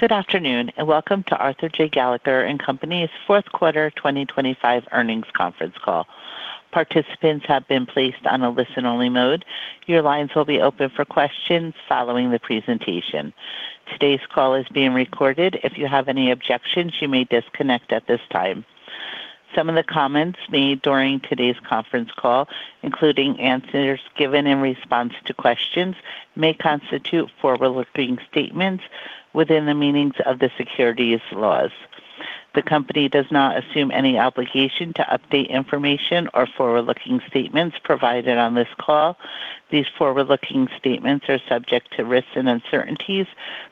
Good afternoon, and welcome to Arthur J. Gallagher & Company's Fourth Quarter 2025 earnings conference call. Participants have been placed on a listen-only mode. Your lines will be open for questions following the presentation. Today's call is being recorded. If you have any objections, you may disconnect at this time. Some of the comments made during today's conference call, including answers given in response to questions, may constitute forward-looking statements within the meanings of the securities laws. The company does not assume any obligation to update information or forward-looking statements provided on this call. These forward-looking statements are subject to risks and uncertainties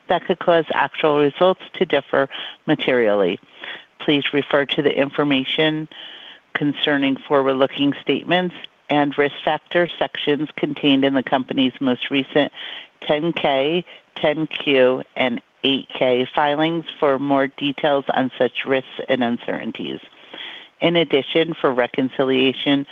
that could cause actual results to differ materially. Please refer to the information concerning forward-looking statements and risk factor sections contained in the company's most recent 10-K, 10-Q, and 8-K filings for more details on such risks and uncertainties. In addition, for reconciliation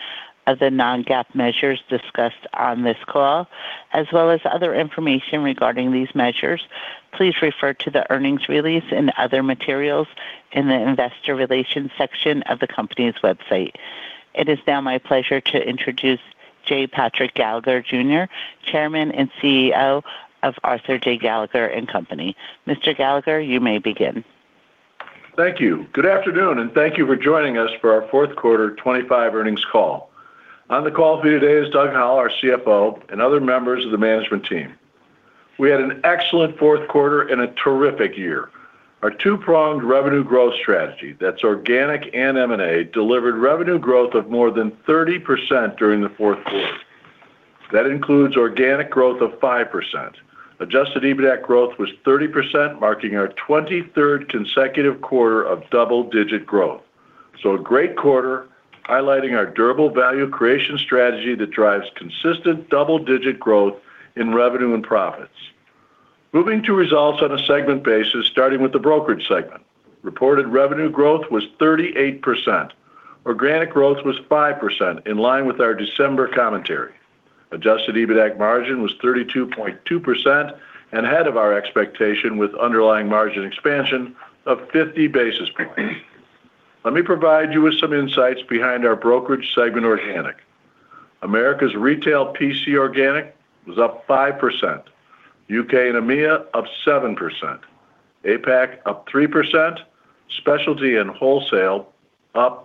of the non-GAAP measures discussed on this call, as well as other information regarding these measures, please refer to the earnings release and other materials in the investor relations section of the company's website. It is now my pleasure to introduce J. Patrick Gallagher, Jr., Chairman and CEO of Arthur J. Gallagher & Company. Mr. Gallagher, you may begin. Thank you. Good afternoon, and thank you for joining us for our Fourth Quarter 2025 earnings call. On the call for today is Doug Howell, our CFO, and other members of the management team. We had an excellent fourth quarter and a terrific year. Our two-pronged revenue growth strategy (that's organic and M&A) delivered revenue growth of more than 30% during the fourth quarter. That includes organic growth of 5%. Adjusted EBITDA growth was 30%, marking our 23rd consecutive quarter of double-digit growth. So, a great quarter, highlighting our durable value creation strategy that drives consistent double-digit growth in revenue and profits. Moving to results on a segment basis, starting with the Brokerage segment. Reported revenue growth was 38%. Organic growth was 5%, in line with our December commentary. Adjusted EBITDA margin was 32.2% and ahead of our expectation with underlying margin expansion of 50 basis points. Let me provide you with some insights behind our Brokerage segment organic. Americas Retail P&C organic was up 5%. UK and EMEA up 7%. APAC up 3%. Specialty and wholesale up.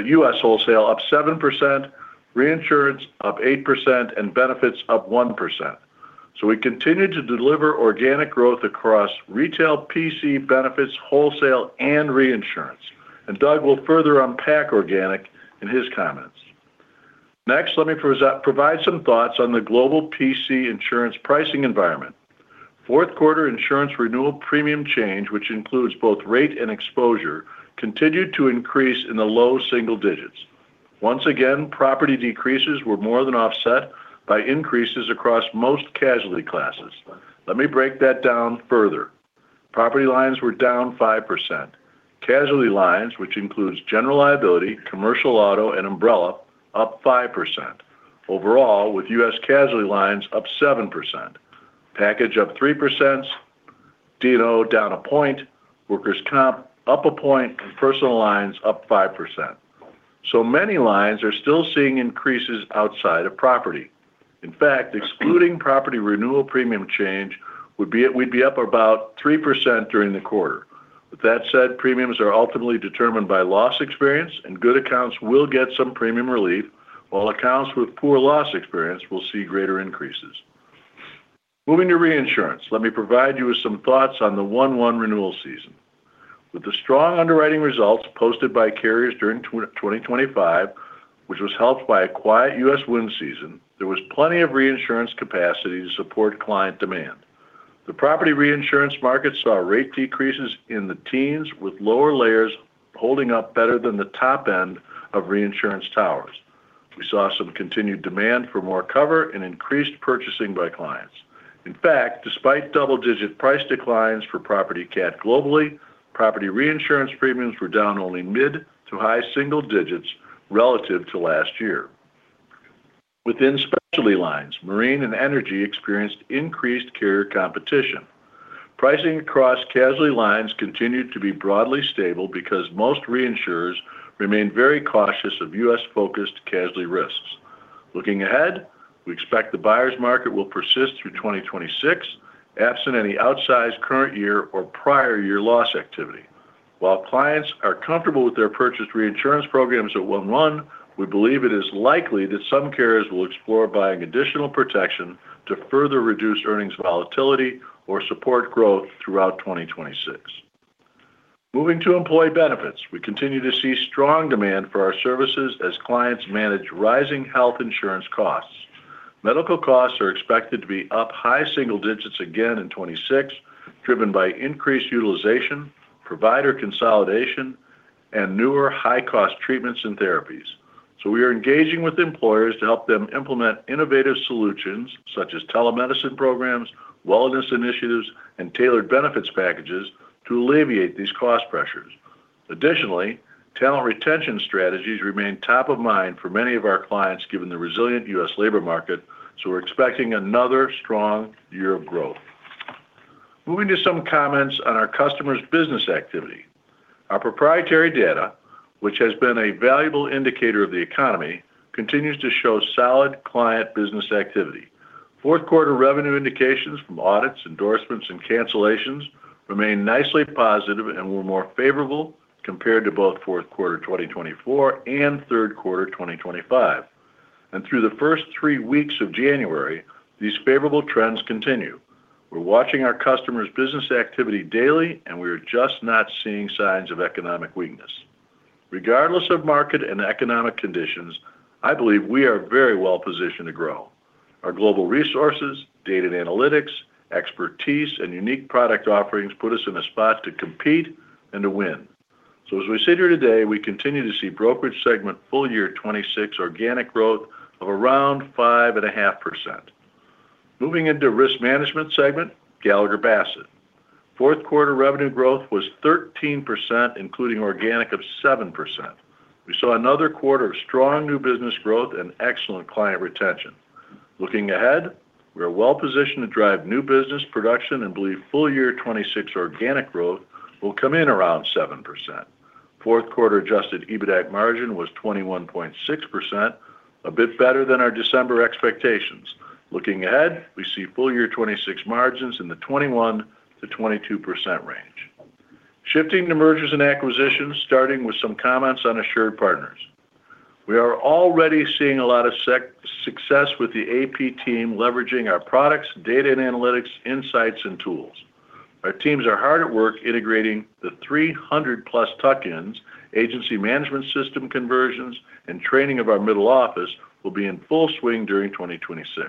U.S. wholesale up 7%. Reinsurance up 8% and benefits up 1%. So, we continue to deliver organic growth across Retail P&C, benefits, wholesale, and reinsurance. And Doug will further unpack organic in his comments. Next, let me provide some thoughts on the global P&C insurance pricing environment. Fourth quarter insurance renewal premium change, which includes both rate and exposure, continued to increase in the low single digits. Once again, property decreases were more than offset by increases across most casualty classes. Let me break that down further. Property lines were down 5%. Casualty lines, which includes general liability, commercial auto, and umbrella, up 5%. Overall, with U.S. casualty lines up 7%. Package up 3%. D&O down a point. Workers' Comp up 1%. Personal lines up 5%. So, many lines are still seeing increases outside of property. In fact, excluding property renewal premium change, we'd be up about 3% during the quarter. With that said, premiums are ultimately determined by loss experience, and good accounts will get some premium relief, while accounts with poor loss experience will see greater increases. Moving to reinsurance, let me provide you with some thoughts on the 1/1 renewal season. With the strong underwriting results posted by carriers during 2025, which was helped by a quiet U.S. wind season, there was plenty of reinsurance capacity to support client demand. The property reinsurance market saw rate decreases in the teens, with lower layers holding up better than the top end of reinsurance towers. We saw some continued demand for more cover and increased purchasing by clients. In fact, despite double-digit price declines for property CAT globally, property reinsurance premiums were down only mid to high single digits relative to last year. Within specialty lines, marine and energy experienced increased carrier competition. Pricing across casualty lines continued to be broadly stable because most reinsurers remained very cautious of U.S.-focused casualty risks. Looking ahead, we expect the buyer's market will persist through 2026, absent any outsized current year or prior year loss activity. While clients are comfortable with their purchased reinsurance programs at 1/1, we believe it is likely that some carriers will explore buying additional protection to further reduce earnings volatility or support growth throughout 2026. Moving to Employee Benefits, we continue to see strong demand for our services as clients manage rising health insurance costs. Medical costs are expected to be up high single digits again in 2026, driven by increased utilization, provider consolidation, and newer high-cost treatments and therapies. So, we are engaging with employers to help them implement innovative solutions such as telemedicine programs, wellness initiatives, and tailored benefits packages to alleviate these cost pressures. Additionally, talent retention strategies remain top of mind for many of our clients given the resilient U.S. labor market, so we're expecting another strong year of growth. Moving to some comments on our customers' business activity. Our proprietary data, which has been a valuable indicator of the economy, continues to show solid client business activity. Fourth quarter revenue indications from audits, endorsements, and cancellations remain nicely positive and were more favorable compared to both fourth quarter 2024 and third quarter 2025. And through the first three weeks of January, these favorable trends continue. We're watching our customers' business activity daily, and we are just not seeing signs of economic weakness. Regardless of market and economic conditions, I believe we are very well positioned to grow. Our global resources, data and analytics, expertise, and unique product offerings put us in a spot to compete and to win. As we sit here today, we continue to see Brokerage segment full year 2026 organic growth of around 5.5%. Moving into Risk management segment, Gallagher Bassett. Fourth quarter revenue growth was 13%, including organic of 7%. We saw another quarter of strong new business growth and excellent client retention. Looking ahead, we are well positioned to drive new business production and believe full year 2026 organic growth will come in around 7%. Fourth quarter Adjusted EBITDA margin was 21.6%, a bit better than our December expectations. Looking ahead, we see full year 2026 margins in the 21%-22% range. Shifting to mergers and acquisitions, starting with some comments on AssuredPartners. We are already seeing a lot of success with the AP team leveraging our products, data and analytics, insights, and tools. Our teams are hard at work integrating the 300+ tuck-ins, agency management system conversions, and training of our middle office will be in full swing during 2026.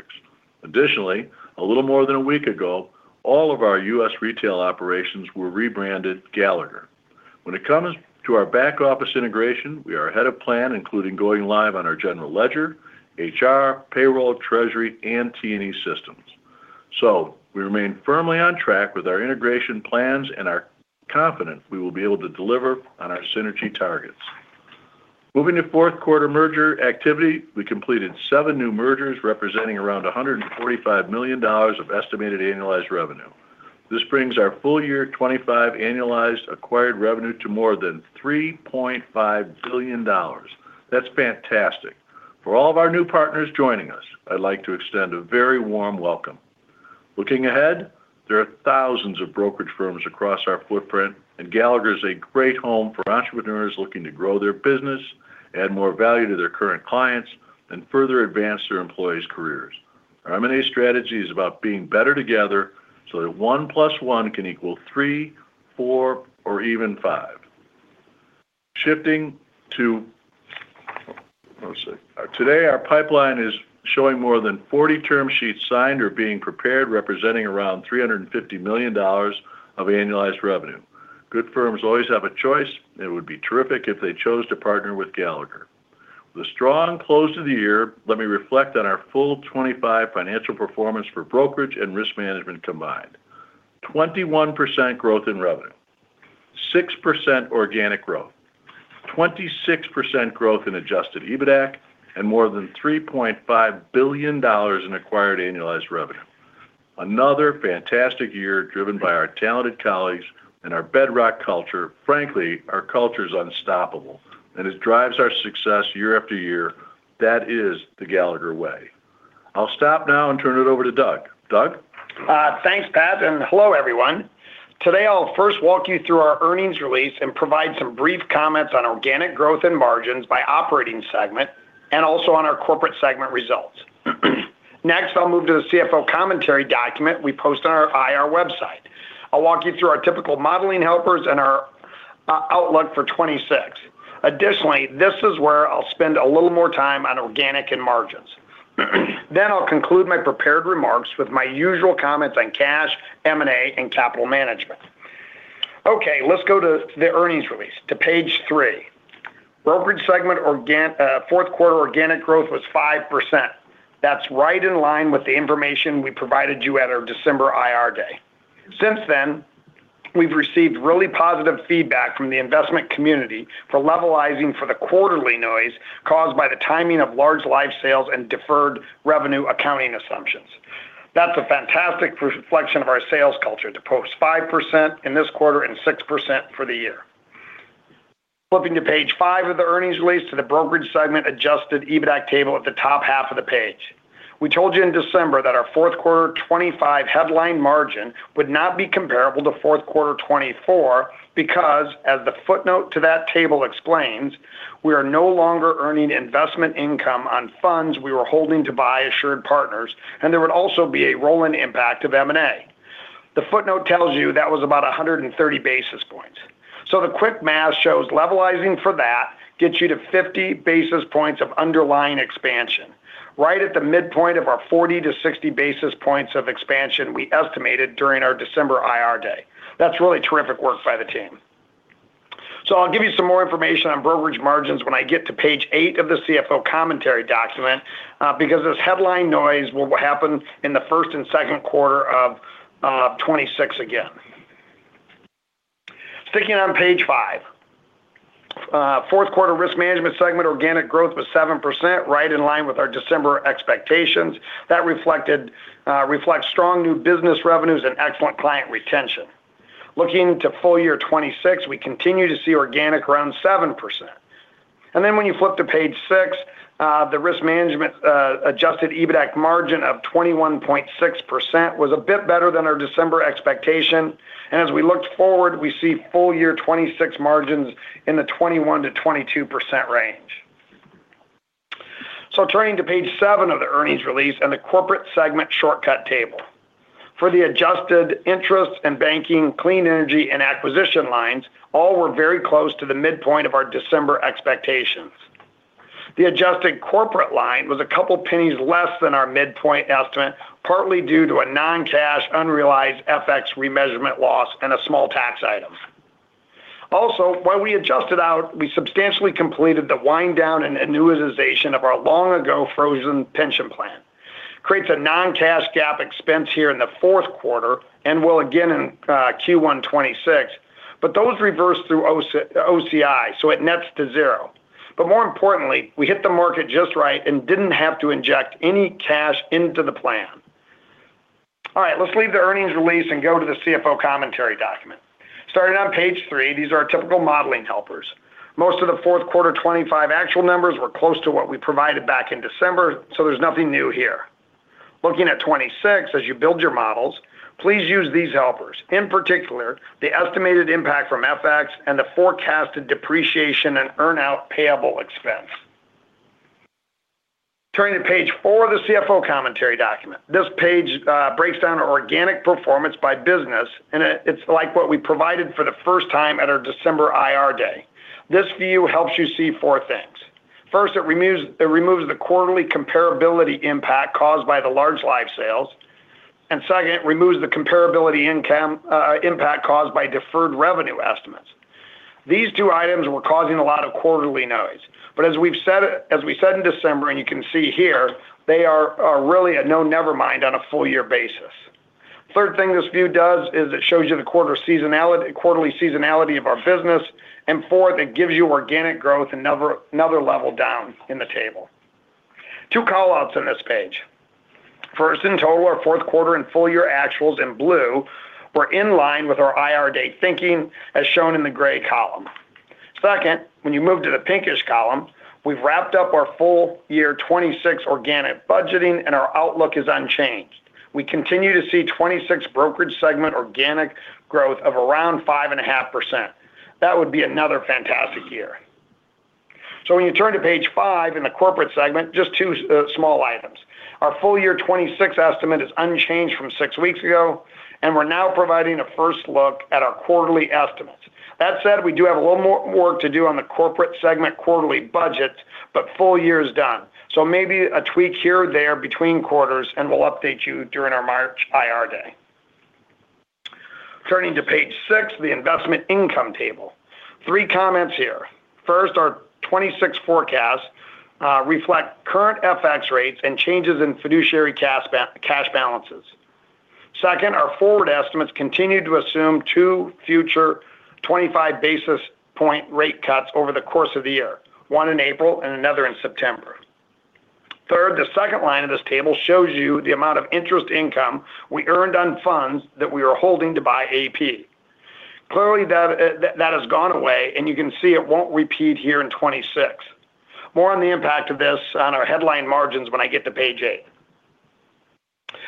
Additionally, a little more than a week ago, all of our U.S. retail operations were rebranded Gallagher. When it comes to our back office integration, we are ahead of plan, including going live on our general ledger, HR, payroll, treasury, and T&E systems. So, we remain firmly on track with our integration plans and are confident we will be able to deliver on our synergy targets. Moving to fourth quarter merger activity, we completed 7 new mergers representing around $145 million of estimated annualized revenue. This brings our full year 2025 annualized acquired revenue to more than $3.5 billion. That's fantastic. For all of our new partners joining us, I'd like to extend a very warm welcome. Looking ahead, there are thousands of Brokerage firms across our footprint, and Gallagher is a great home for entrepreneurs looking to grow their business, add more value to their current clients, and further advance their employees' careers. Our M&A strategy is about being better together so that one plus one can equal three, four, or even five. Shifting to, let's see. Today, our pipeline is showing more than 40 term sheets signed or being prepared, representing around $350 million of annualized revenue. Good firms always have a choice, and it would be terrific if they chose to partner with Gallagher. With a strong close to the year, let me reflect on our full 2025 financial performance for Brokerage and risk management combined: 21% growth in revenue, 6% organic growth, 26% growth in adjusted EBITDA, and more than $3.5 billion in acquired annualized revenue. Another fantastic year driven by our talented colleagues and our bedrock culture. Frankly, our culture is unstoppable, and it drives our success year after year. That is the Gallagher Way. I'll stop now and turn it over to Doug. Doug? Thanks, Pat. Hello, everyone. Today, I'll first walk you through our earnings release and provide some brief comments on organic growth and margins by operating segment and also on our Corporate segment results. Next, I'll move to the CFO Commentary document we post on our IR website. I'll walk you through our typical modeling helpers and our outlook for 2026. Additionally, this is where I'll spend a little more time on organic and margins. Then I'll conclude my prepared remarks with my usual comments on cash, M&A, and capital management. Okay, let's go to the earnings release, to page three. Brokerage segment fourth quarter organic growth was 5%. That's right in line with the information we provided you at our December IR Day. Since then, we've received really positive feedback from the investment community for levelizing for the quarterly noise caused by the timing of large life sales and deferred revenue accounting assumptions. That's a fantastic reflection of our sales culture to post 5% in this quarter and 6% for the year. Flipping to page 5 of the earnings release to the Brokerage segment Adjusted EBITDA table at the top half of the page. We told you in December that our fourth quarter 2025 headline margin would not be comparable to fourth quarter 2024 because, as the footnote to that table explains, we are no longer earning investment income on funds we were holding to buy AssuredPartners, and there would also be a rolling impact of M&A. The footnote tells you that was about 130 basis points. So, the quick math shows levelizing for that gets you to 50 basis points of underlying expansion, right at the midpoint of our 40-60 basis points of expansion we estimated during our December IR Day. That's really terrific work by the team. So, I'll give you some more information on Brokerage margins when I get to Page 8 of the CFO Commentary document because this headline noise will happen in the first and second quarter of 2026 again. Sticking on page 5, fourth quarter risk management segment organic growth was 7%, right in line with our December expectations. That reflected strong new business revenues and excellent client retention. Looking to full year 2026, we continue to see organic around 7%. And then when you flip to page 6, the risk management adjusted EBITDA margin of 21.6% was a bit better than our December expectation. As we looked forward, we see full year 2026 margins in the 21%-22% range. Turning to page 7 of the earnings release and the corporate segment shortcut table. For the adjusted interest and banking, clean energy, and acquisition lines, all were very close to the midpoint of our December expectations. The adjusted corporate line was a couple pennies less than our midpoint estimate, partly due to a non-cash unrealized FX remeasurement loss and a small tax item. Also, while we adjusted out, we substantially completed the wind down and annuitization of our long-ago frozen pension plan. Creates a non-cash GAAP expense here in the fourth quarter and will again in Q1 2026, but those reversed through OCI, so it nets to zero. But more importantly, we hit the market just right and didn't have to inject any cash into the plan. All right, let's leave the earnings release and go to the CFO Commentary document. Starting on page 3, these are our typical modeling helpers. Most of the fourth quarter 2025 actual numbers were close to what we provided back in December, so there's nothing new here. Looking at 2026, as you build your models, please use these helpers. In particular, the estimated impact from FX and the forecasted depreciation and earn-out payable expense. Turning to page 4 of the CFO Commentary document, this page breaks down organic performance by business, and it's like what we provided for the first time at our December IR day. This view helps you see four things. First, it removes the quarterly comparability impact caused by the large life sales, and second, it removes the comparability impact caused by deferred revenue estimates. These two items were causing a lot of quarterly noise, but as we said in December, and you can see here, they are really a no nevermind on a full year basis. Third thing this view does is it shows you the quarterly seasonality of our business, and fourth, it gives you organic growth another level down in the table. Two callouts on this page. First, in total, our fourth quarter and full year actuals in blue were in line with our IR day thinking, as shown in the gray column. Second, when you move to the pinkish column, we've wrapped up our full year 2026 organic budgeting, and our outlook is unchanged. We continue to see 2026 Brokerage segment organic growth of around 5.5%. That would be another fantastic year. So, when you turn to page five in the corporate segment, just two small items. Our full year 2026 estimate is unchanged from 6 weeks ago, and we're now providing a first look at our quarterly estimates. That said, we do have a little more work to do on the corporate segment quarterly budgets, but full year is done. So, maybe a tweak here or there between quarters, and we'll update you during our March IR day. Turning to page 6, the investment income table. 3 comments here. First, our 2026 forecast reflects current FX rates and changes in fiduciary cash balances. Second, our forward estimates continue to assume 2 future 25 basis point rate cuts over the course of the year, 1 in April and another in September. Third, the second line of this table shows you the amount of interest income we earned on funds that we were holding to buy AP. Clearly, that has gone away, and you can see it won't repeat here in 2026. More on the impact of this on our headline margins when I get to page 8.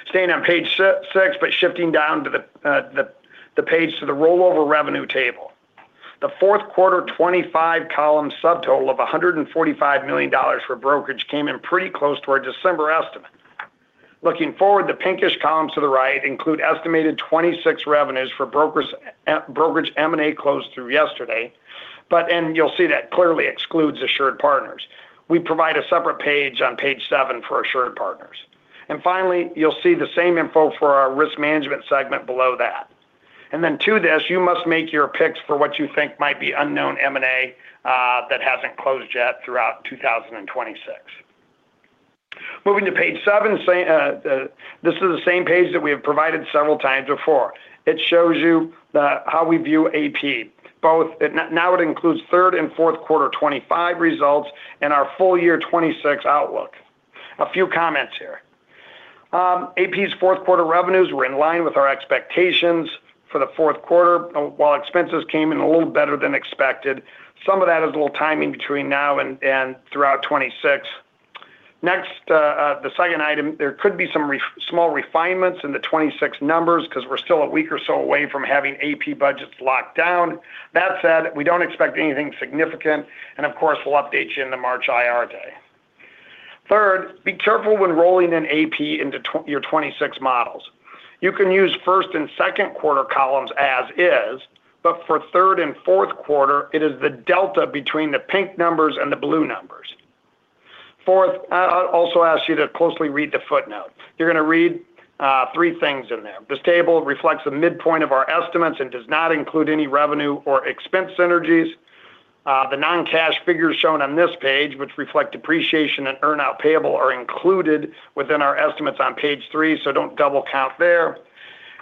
Staying on page 6, but shifting down to the page to the rollover revenue table. The fourth quarter 2025 column subtotal of $145 million for Brokerage came in pretty close to our December estimate. Looking forward, the pinkish columns to the right include estimated 2026 revenues for Brokerage M&A closed through yesterday, but you'll see that clearly excludes AssuredPartners. We provide a separate page on page 7 for AssuredPartners. And finally, you'll see the same info for our Risk Management segment below that. And then to this, you must make your picks for what you think might be unknown M&A that hasn't closed yet throughout 2026. Moving to page 7, this is the same page that we have provided several times before. It shows you how we view AP. Now it includes third and fourth quarter 2025 results and our full year 2026 outlook. A few comments here. AP's fourth quarter revenues were in line with our expectations for the fourth quarter, while expenses came in a little better than expected. Some of that is a little timing between now and throughout 2026. Next, the second item, there could be some small refinements in the 2026 numbers because we're still a week or so away from having AP budgets locked down. That said, we don't expect anything significant, and of course, we'll update you in the March IR day. Third, be careful when rolling in AP into your 2026 models. You can use first and second quarter columns as is, but for third and fourth quarter, it is the delta between the pink numbers and the blue numbers. Fourth, I also ask you to closely read the footnote. You're going to read three things in there. This table reflects the midpoint of our estimates and does not include any revenue or expense synergies. The non-cash figures shown on this page, which reflect depreciation and earn-out payable, are included within our estimates on page three, so don't double count there.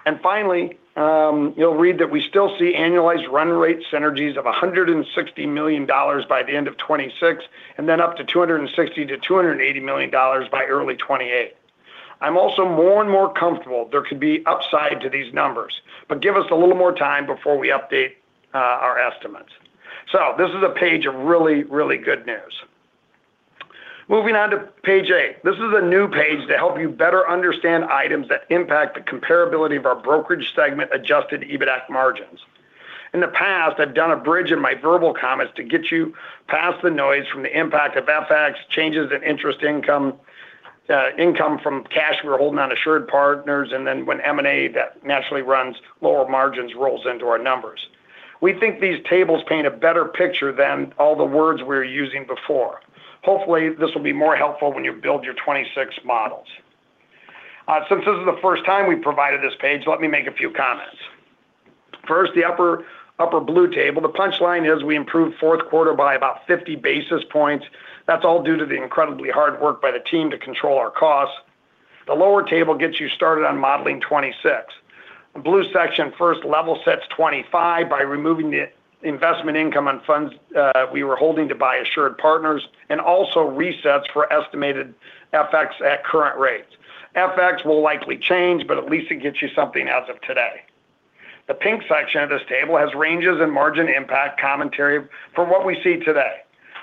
And finally, you'll read that we still see annualized run rate synergies of $160 million by the end of 2026, and then up to $260 million-$280 million by early 2028. I'm also more and more comfortable there could be upside to these numbers, but give us a little more time before we update our estimates. So, this is a page of really, really good news. Moving on to page 8. This is a new page to help you better understand items that impact the comparability of our Brokerage segment Adjusted EBITDA margins. In the past, I've done a bridge in my verbal comments to get you past the noise from the impact of FX, changes in interest income, income from cash we're holding on AssuredPartners, and then when M&A that naturally runs, lower margins rolls into our numbers. We think these tables paint a better picture than all the words we were using before. Hopefully, this will be more helpful when you build your '26 models. Since this is the first time we've provided this page, let me make a few comments. First, the upper blue table, the punchline is we improved fourth quarter by about 50 basis points. That's all due to the incredibly hard work by the team to control our costs. The lower table gets you started on modeling 2026. The blue section first level sets 2025 by removing the investment income on funds we were holding to buy AssuredPartners and also resets for estimated FX at current rates. FX will likely change, but at least it gets you something as of today. The pink section of this table has ranges and margin impact commentary for what we see today.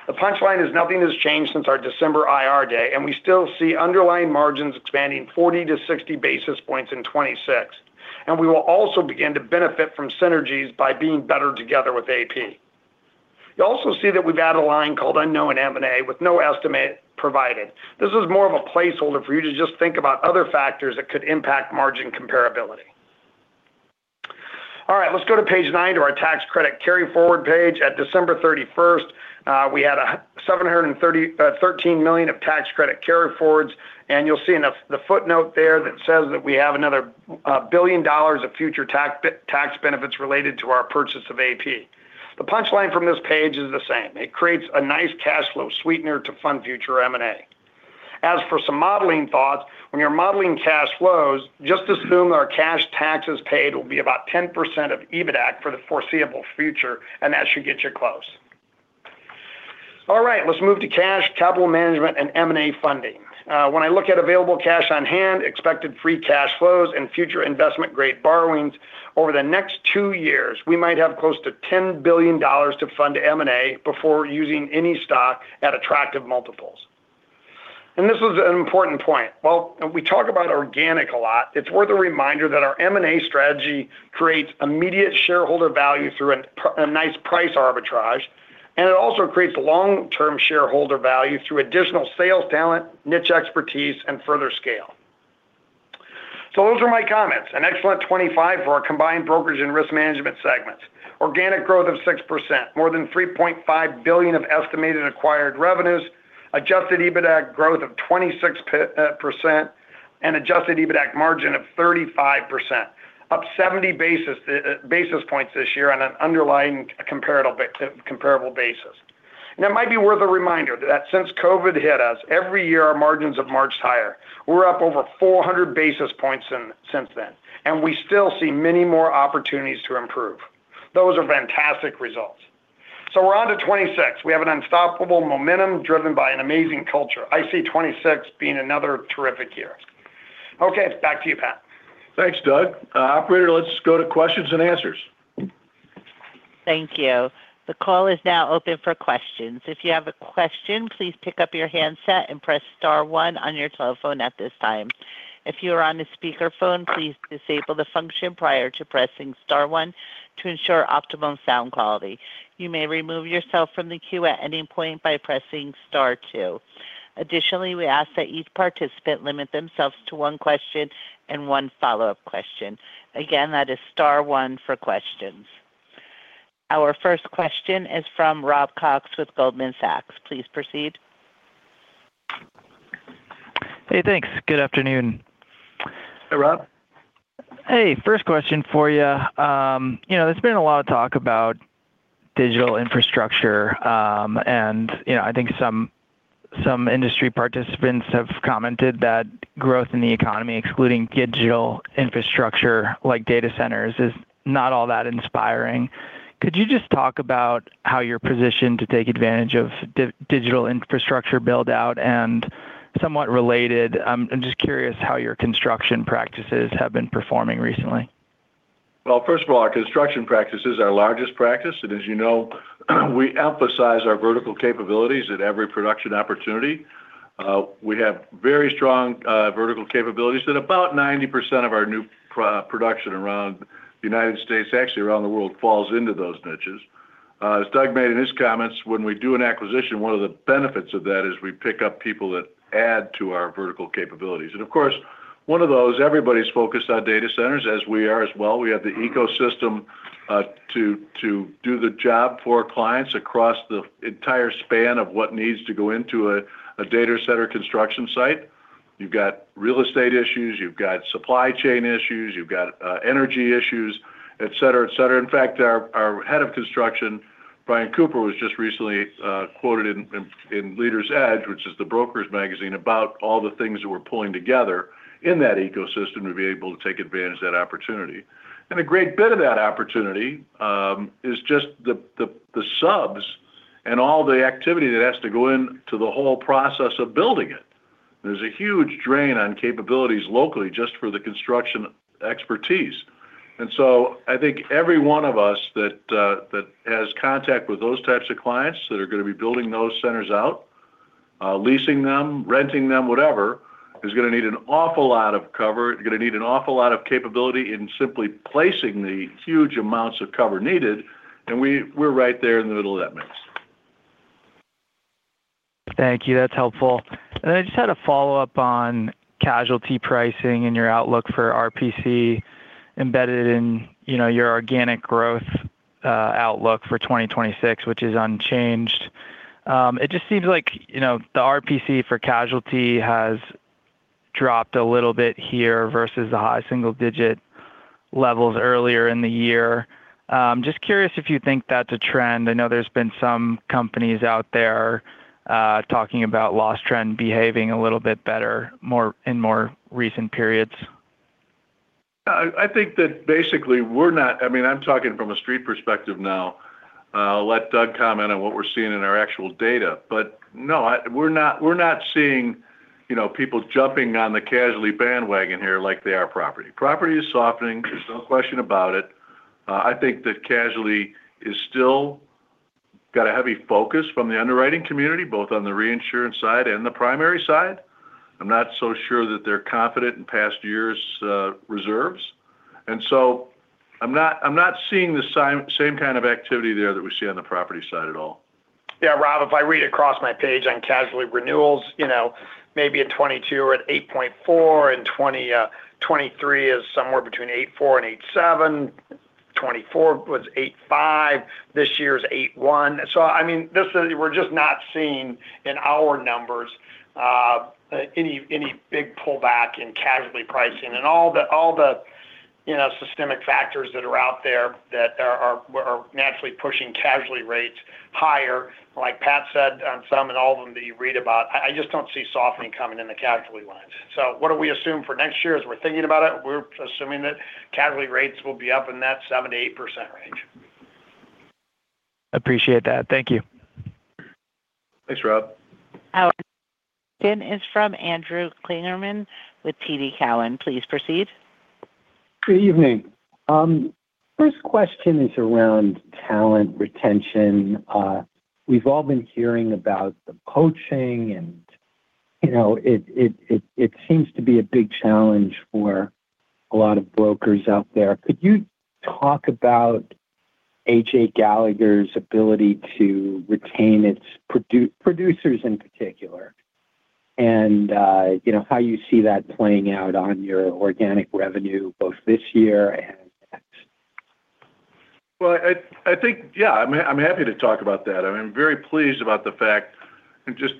The punchline is nothing has changed since our December IR day, and we still see underlying margins expanding 40 to 60 basis points in 2026, and we will also begin to benefit from synergies by being better together with AP. You also see that we've added a line called unknown M&A with no estimate provided. This is more of a placeholder for you to just think about other factors that could impact margin comparability. All right, let's go to page 9 to our tax credit carry forward page. At December 31st, we had $713 million of tax credit carry forwards, and you'll see in the footnote there that says that we have another $1 billion of future tax benefits related to our purchase of AP. The punchline from this page is the same. It creates a nice cash flow sweetener to fund future M&A. As for some modeling thoughts, when you're modeling cash flows, just assume our cash taxes paid will be about 10% of EBITDA for the foreseeable future, and that should get you close. All right, let's move to cash, capital management, and M&A funding. When I look at available cash on hand, expected free cash flows, and future investment-grade borrowings, over the next two years, we might have close to $10 billion to fund M&A before using any stock at attractive multiples. And this is an important point. Well, we talk about organic a lot. It's worth a reminder that our M&A strategy creates immediate shareholder value through a nice price arbitrage, and it also creates long-term shareholder value through additional sales talent, niche expertise, and further scale. So those are my comments. An excellent 2025 for our combined Brokerage and risk management segments. Organic growth of 6%, more than $3.5 billion of estimated acquired revenues, adjusted EBITDA growth of 26%, and adjusted EBITDA margin of 35%, up 70 basis points this year on an underlying comparable basis. It might be worth a reminder that since COVID hit us, every year our margins have marched higher. We're up over 400 basis points since then, and we still see many more opportunities to improve. Those are fantastic results. We're on to 2026. We have an unstoppable momentum driven by an amazing culture. I see 2026 being another terrific year. Okay, back to you, Pat. Thanks, Doug. Operator, let's go to questions and answers. Thank you. The call is now open for questions. If you have a question, please pick up your handset and press star one on your telephone at this time. If you are on a speakerphone, please disable the function prior to pressing star one to ensure optimal sound quality. You may remove yourself from the queue at any point by pressing star two. Additionally, we ask that each participant limit themselves to one question and one follow-up question. Again, that is star one for questions. Our first question is from Rob Cox with Goldman Sachs. Please proceed. Hey, thanks. Good afternoon. Hey, Rob. Hey, first question for you. There's been a lot of talk about digital infrastructure, and I think some industry participants have commented that growth in the economy, excluding digital infrastructure like data centers, is not all that inspiring. Could you just talk about how you're positioned to take advantage of digital infrastructure build-out and somewhat related? I'm just curious how your construction practices have been performing recently. Well, first of all, our construction practices are our largest practice, and as you know, we emphasize our vertical capabilities at every production opportunity. We have very strong vertical capabilities that about 90% of our new production around the United States, actually around the world, falls into those niches. As Doug made in his comments, when we do an acquisition, one of the benefits of that is we pick up people that add to our vertical capabilities. Of course, one of those, everybody's focused on data centers as we are as well. We have the ecosystem to do the job for clients across the entire span of what needs to go into a data center construction site. You've got real estate issues, you've got supply chain issues, you've got energy issues, et cetera, et cetera. In fact, our head of construction, Brian Cooper, was just recently quoted in Leader's Edge, which is the Brokerage magazine, about all the things that we're pulling together in that ecosystem to be able to take advantage of that opportunity. A great bit of that opportunity is just the subs and all the activity that has to go into the whole process of building it. There's a huge drain on capabilities locally just for the construction expertise. So I think every one of us that has contact with those types of clients that are going to be building those centers out, leasing them, renting them, whatever, is going to need an awful lot of cover. You're going to need an awful lot of capability in simply placing the huge amounts of cover needed, and we're right there in the middle of that mix. Thank you. That's helpful. And then I just had a follow-up on casualty pricing and your outlook for RPC embedded in your organic growth outlook for 2026, which is unchanged. It just seems like the RPC for casualty has dropped a little bit here versus the high single-digit levels earlier in the year. Just curious if you think that's a trend. I know there's been some companies out there talking about loss trend behaving a little bit better in more recent periods. I think that basically we're not, I mean, I'm talking from a street perspective now. I'll let Doug Howell comment on what we're seeing in our actual data. But no, we're not seeing people jumping on the casualty bandwagon here like they are property. Property is softening. There's no question about it. I think that casualty has still got a heavy focus from the underwriting community, both on the reinsurance side and the primary side. I'm not so sure that they're confident in past years' reserves. And so I'm not seeing the same kind of activity there that we see on the property side at all. Yeah, Rob, if I read across my page on casualty renewals, maybe in 2022 at 8.4, in 2023 is somewhere between 8.4-8.7, 2024 was 8.5, this year is 8.1. So I mean, we're just not seeing in our numbers any big pullback in casualty pricing and all the systemic factors that are out there that are naturally pushing casualty rates higher. Like Pat said on some and all of them that you read about, I just don't see softening coming in the casualty lines. So what do we assume for next year as we're thinking about it? We're assuming that casualty rates will be up in that 7%-8% range. Appreciate that. Thank you. Thanks, Rob. Next is from Andrew Kligerman with TD Cowen. Please proceed. Good evening. First question is around talent retention. We've all been hearing about the poaching, and it seems to be a big challenge for a lot of brokers out there. Could you talk about A.J. Gallagher's ability to retain its producers in particular and how you see that playing out on your organic revenue both this year and next? Well, I think, yeah, I'm happy to talk about that. I'm very pleased about the fact that just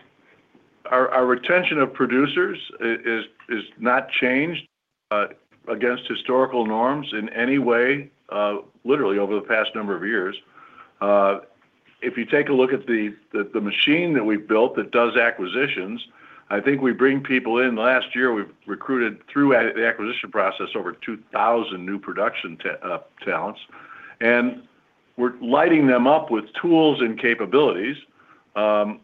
our retention of producers has not changed against historical norms in any way, literally over the past number of years. If you take a look at the machine that we've built that does acquisitions, I think we bring people in. Last year, we recruited through the acquisition process over 2,000 new production talents, and we're lighting them up with tools and capabilities.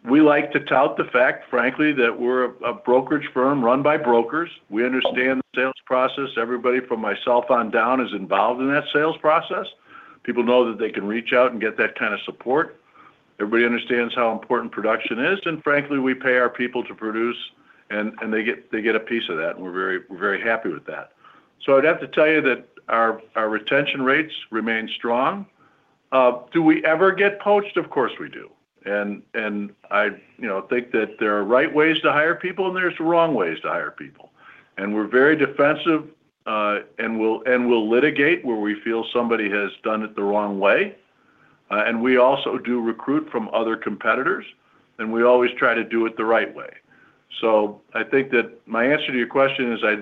We like to tout the fact, frankly, that we're a Brokerage firm run by brokers. We understand the sales process. Everybody from myself on down is involved in that sales process. People know that they can reach out and get that kind of support. Everybody understands how important production is. And frankly, we pay our people to produce, and they get a piece of that, and we're very happy with that. So I'd have to tell you that our retention rates remain strong. Do we ever get poached? Of course we do. I think that there are right ways to hire people, and there are wrong ways to hire people. We're very defensive, and we'll litigate where we feel somebody has done it the wrong way. We also do recruit from other competitors, and we always try to do it the right way. I think that my answer to your question is I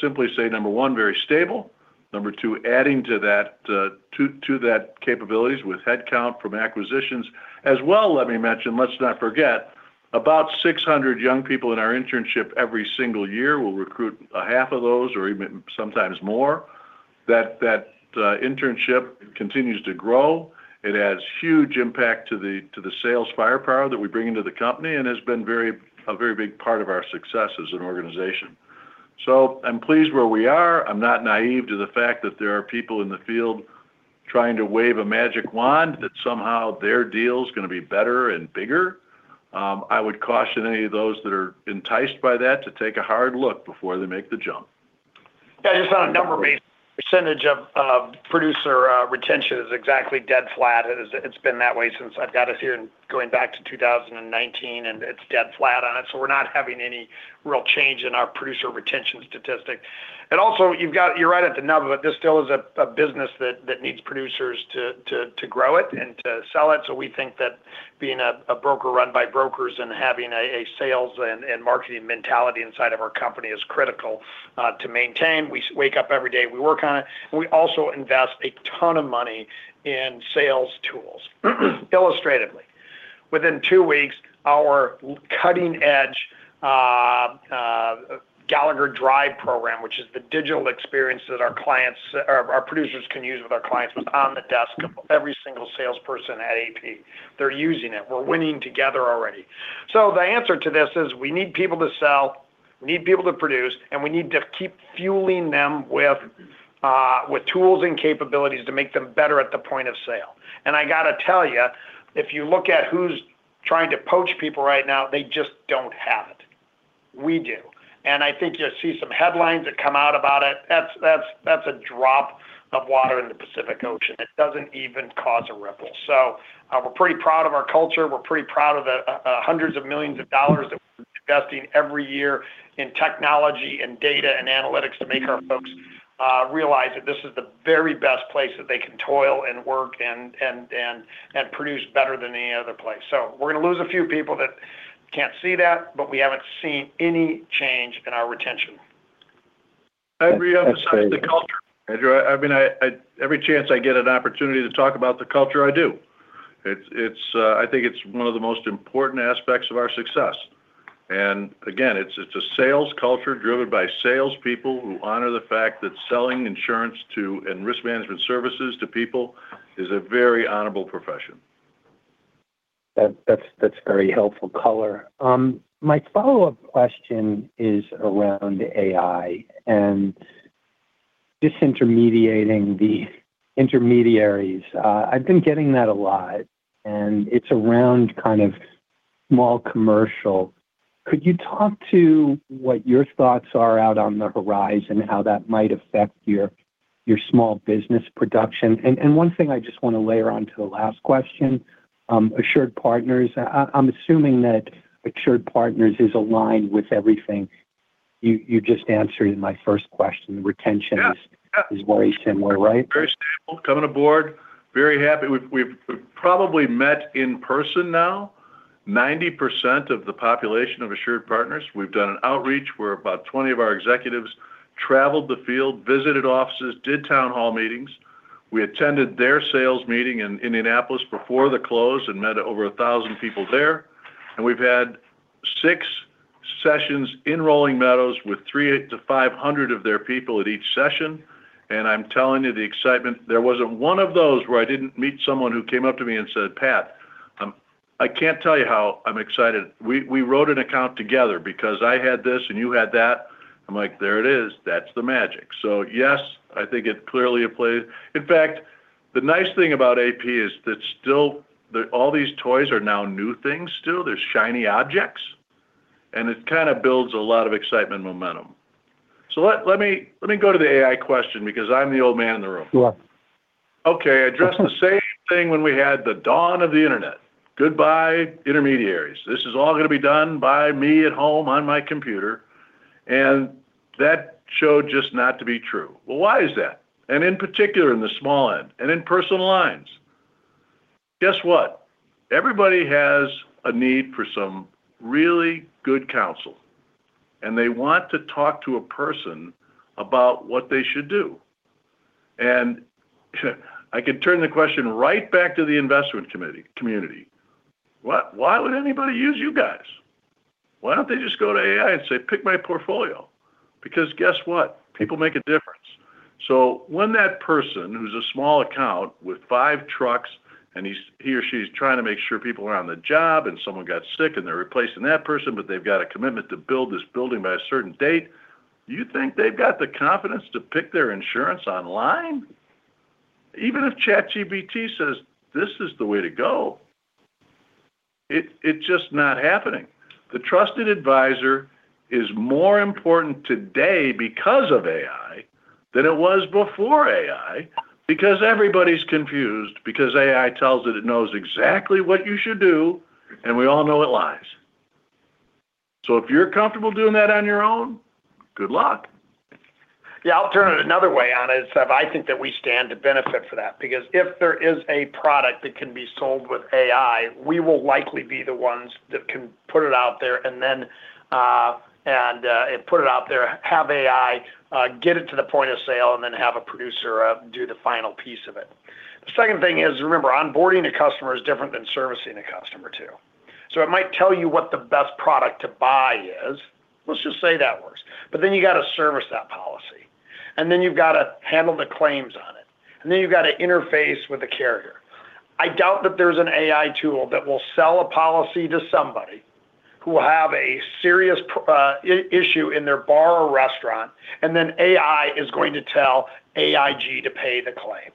simply say, number one, very stable. Number two, adding to that capabilities with headcount from acquisitions as well. Let me mention, let's not forget, about 600 young people in our internship every single year. We'll recruit a half of those or even sometimes more. That internship continues to grow. It has huge impact to the sales firepower that we bring into the company and has been a very big part of our success as an organization. I'm pleased where we are. I'm not naive to the fact that there are people in the field trying to wave a magic wand that somehow their deal is going to be better and bigger. I would caution any of those that are enticed by that to take a hard look before they make the jump. Yeah, just on a number-based percentage of producer retention is exactly dead flat. It's been that way since I've got us here going back to 2019, and it's dead flat on it. So we're not having any real change in our producer retention statistic. And also, you're right at the nub of it. This still is a business that needs producers to grow it and to sell it. So we think that being a broker run by brokers and having a sales and marketing mentality inside of our company is critical to maintain. We wake up every day. We work on it. We also invest a ton of money in sales tools. Illustratively, within two weeks, our cutting-edge Gallagher Drive program, which is the digital experience that our producers can use with our clients, was on the desk of every single salesperson at AP. They're using it. We're winning together already. So the answer to this is we need people to sell, we need people to produce, and we need to keep fueling them with tools and capabilities to make them better at the point of sale. And I got to tell you, if you look at who's trying to poach people right now, they just don't have it. We do. And I think you'll see some headlines that come out about it. That's a drop of water in the Pacific Ocean. It doesn't even cause a ripple. So we're pretty proud of our culture. We're pretty proud of the $hundreds of millions that we're investing every year in technology and data and analytics to make our folks realize that this is the very best place that they can toil and work and produce better than any other place. So we're going to lose a few people that can't see that, but we haven't seen any change in our retention. I agree on the culture. Andrew, I mean, every chance I get an opportunity to talk about the culture, I do. I think it's one of the most important aspects of our success. And again, it's a sales culture driven by salespeople who honor the fact that selling insurance and risk management services to people is a very honorable profession. That's very helpful color. My follow-up question is around AI and disintermediating the intermediaries. I've been getting that a lot, and it's around kind of small commercial. Could you talk to what your thoughts are out on the horizon, how that might affect your small business production? And one thing I just want to layer on to the last question, AssuredPartners. I'm assuming that AssuredPartners is aligned with everything you just answered in my first question. Retention is very similar, right? Very stable. Coming aboard. Very happy. We've probably met in person now, 90% of the population of AssuredPartners. We've done an outreach where about 20 of our executives traveled the field, visited offices, did town hall meetings. We attended their sales meeting in Indianapolis before the close and met over 1,000 people there. And we've had six sessions in Rolling Meadows with 3-500 of their people at each session. And I'm telling you the excitement. There wasn't one of those where I didn't meet someone who came up to me and said, "Pat, I can't tell you how I'm excited." We wrote an account together because I had this and you had that. I'm like, "There it is. That's the magic." So yes, I think it clearly played. In fact, the nice thing about AP is that still all these toys are now new things still. There's shiny objects, and it kind of builds a lot of excitement momentum. So let me go to the AI question because I'm the old man in the room. Okay. I addressed the same thing when we had the dawn of the internet. Goodbye, intermediaries. This is all going to be done by me at home on my computer. And that showed just not to be true. Well, why is that? In particular, in the small end and in personal lines. Guess what? Everybody has a need for some really good counsel, and they want to talk to a person about what they should do. I can turn the question right back to the investment community. Why would anybody use you guys? Why don't they just go to AI and say, "Pick my portfolio?" Because guess what? People make a difference. When that person who's a small account with five trucks and he or she is trying to make sure people are on the job and someone got sick and they're replacing that person, but they've got a commitment to build this building by a certain date, you think they've got the confidence to pick their insurance online? Even if ChatGPT says, "This is the way to go," it's just not happening. The trusted advisor is more important today because of AI than it was before AI because everybody's confused because AI tells it it knows exactly what you should do, and we all know it lies. So if you're comfortable doing that on your own, good luck. Yeah. I'll turn it another way on it. I think that we stand to benefit for that because if there is a product that can be sold with AI, we will likely be the ones that can put it out there and then put it out there, have AI get it to the point of sale, and then have a producer do the final piece of it. The second thing is, remember, onboarding a customer is different than servicing a customer too. So it might tell you what the best product to buy is. Let's just say that works. But then you got to service that policy. And then you've got to handle the claims on it. And then you've got to interface with the carrier. I doubt that there's an AI tool that will sell a policy to somebody who will have a serious issue in their bar or restaurant, and then AI is going to tell AIG to pay the claim.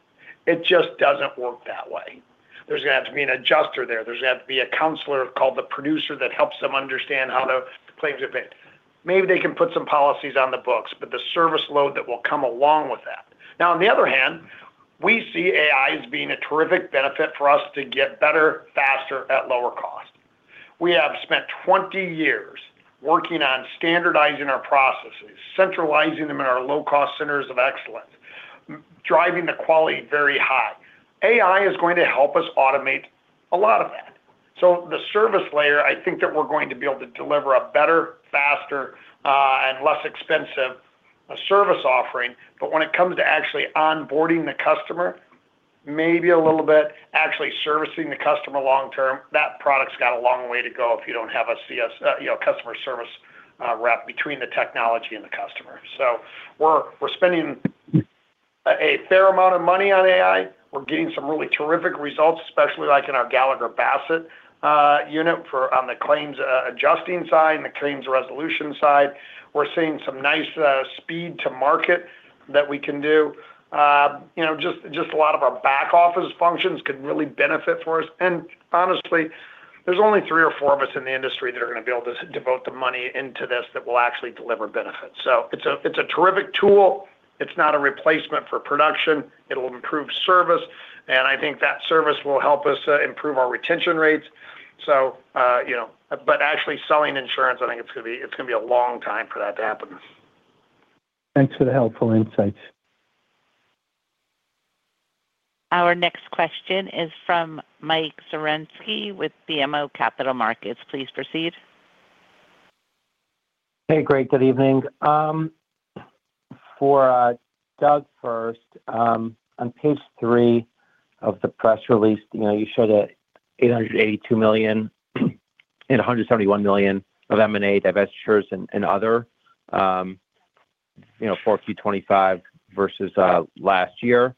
It just doesn't work that way. There's going to have to be an adjuster there. There's going to have to be a counselor called the producer that helps them understand how the claims are paid. Maybe they can put some policies on the books, but the service load that will come along with that. Now, on the other hand, we see AI as being a terrific benefit for us to get better, faster, at lower cost. We have spent 20 years working on standardizing our processes, centralizing them in our low-cost centers of excellence, driving the quality very high. AI is going to help us automate a lot of that. So the service layer, I think that we're going to be able to deliver a better, faster, and less expensive service offering. But when it comes to actually onboarding the customer, maybe a little bit actually servicing the customer long-term, that product's got a long way to go if you don't have a customer service rep between the technology and the customer. So we're spending a fair amount of money on AI. We're getting some really terrific results, especially in our Gallagher Bassett unit on the claims adjusting side, the claims resolution side. We're seeing some nice speed to market that we can do. Just a lot of our back office functions could really benefit for us. Honestly, there's only three or four of us in the industry that are going to be able to devote the money into this that will actually deliver benefits. It's a terrific tool. It's not a replacement for production. It'll improve service. And I think that service will help us improve our retention rates. But actually selling insurance, I think it's going to be a long time for that to happen. Thanks for the helpful insights. Our next question is from Michael Zaremski with BMO Capital Markets. Please proceed. Hey, Greg. Good evening. For Doug first, on page three of the press release, you showed $882 million and $171 million of M&A divestitures and other Q4 2025 versus last year.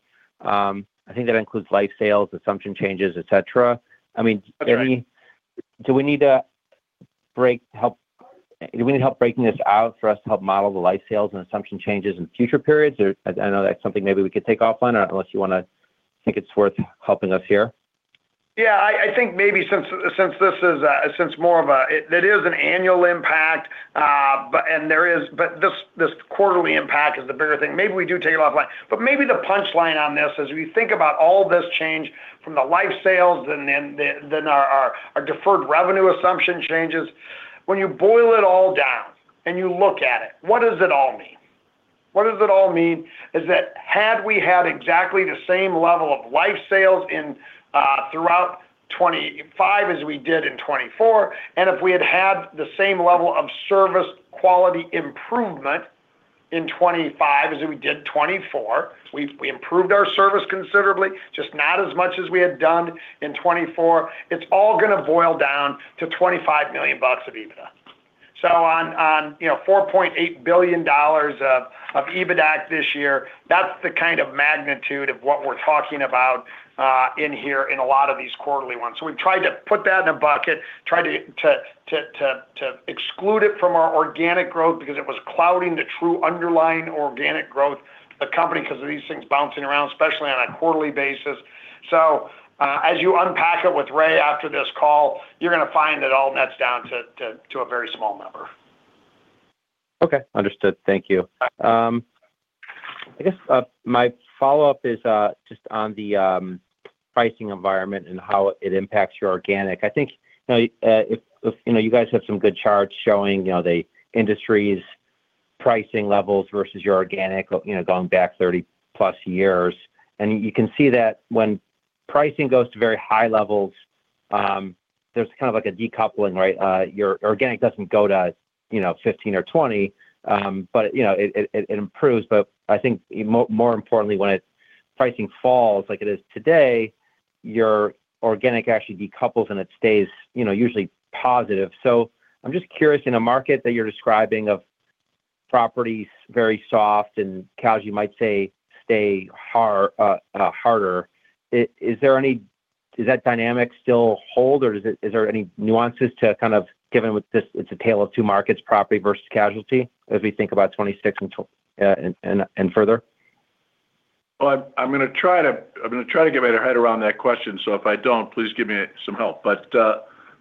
I think that includes life sales, assumption changes, etc. I mean, do we need to break it out? Do we need help breaking this out for us to help model the life sales and assumption changes in future periods? I know that's something maybe we could take offline unless you want to think it's worth helping us here. Yeah. I think maybe since this is more of an annual impact, and there, but this quarterly impact is the bigger thing. Maybe we do take it offline. But maybe the punchline on this is we think about all this change from The Life sales and then our deferred revenue assumption changes. When you boil it all down and you look at it, what does it all mean? What does it all mean? It is that had we had exactly the same level of life sales throughout 2025 as we did in 2024, and if we had had the same level of service quality improvement in 2025 as we did 2024, we improved our service considerably, just not as much as we had done in 2024. It's all going to boil down to $25 million of EBITDA. So on $4.8 billion of EBITDA this year, that's the kind of magnitude of what we're talking about in here in a lot of these quarterly ones. So we've tried to put that in a bucket, tried to exclude it from our organic growth because it was clouding the true underlying organic growth of the company because of these things bouncing around, especially on a quarterly basis. So as you unpack it with Ray after this call, you're going to find it all nets down to a very small number. Okay. Understood. Thank you. I guess my follow-up is just on the pricing environment and how it impacts your organic. I think you guys have some good charts showing the industry's pricing levels versus your organic going back 30+ years. And you can see that when pricing goes to very high levels, there's kind of like a decoupling, right? Your organic doesn't go to 15 or 20, but it improves. But I think more importantly, when pricing falls like it is today, your organic actually decouples and it stays usually positive. So I'm just curious, in a market that you're describing of property very soft and, as you might say, casualty harder, is that dynamic still hold, or is there any nuances to kind of given it's a tale of two markets, property versus casualty, as we think about 2026 and further? Well, I'm going to try to get my head around that question. So if I don't, please give me some help. But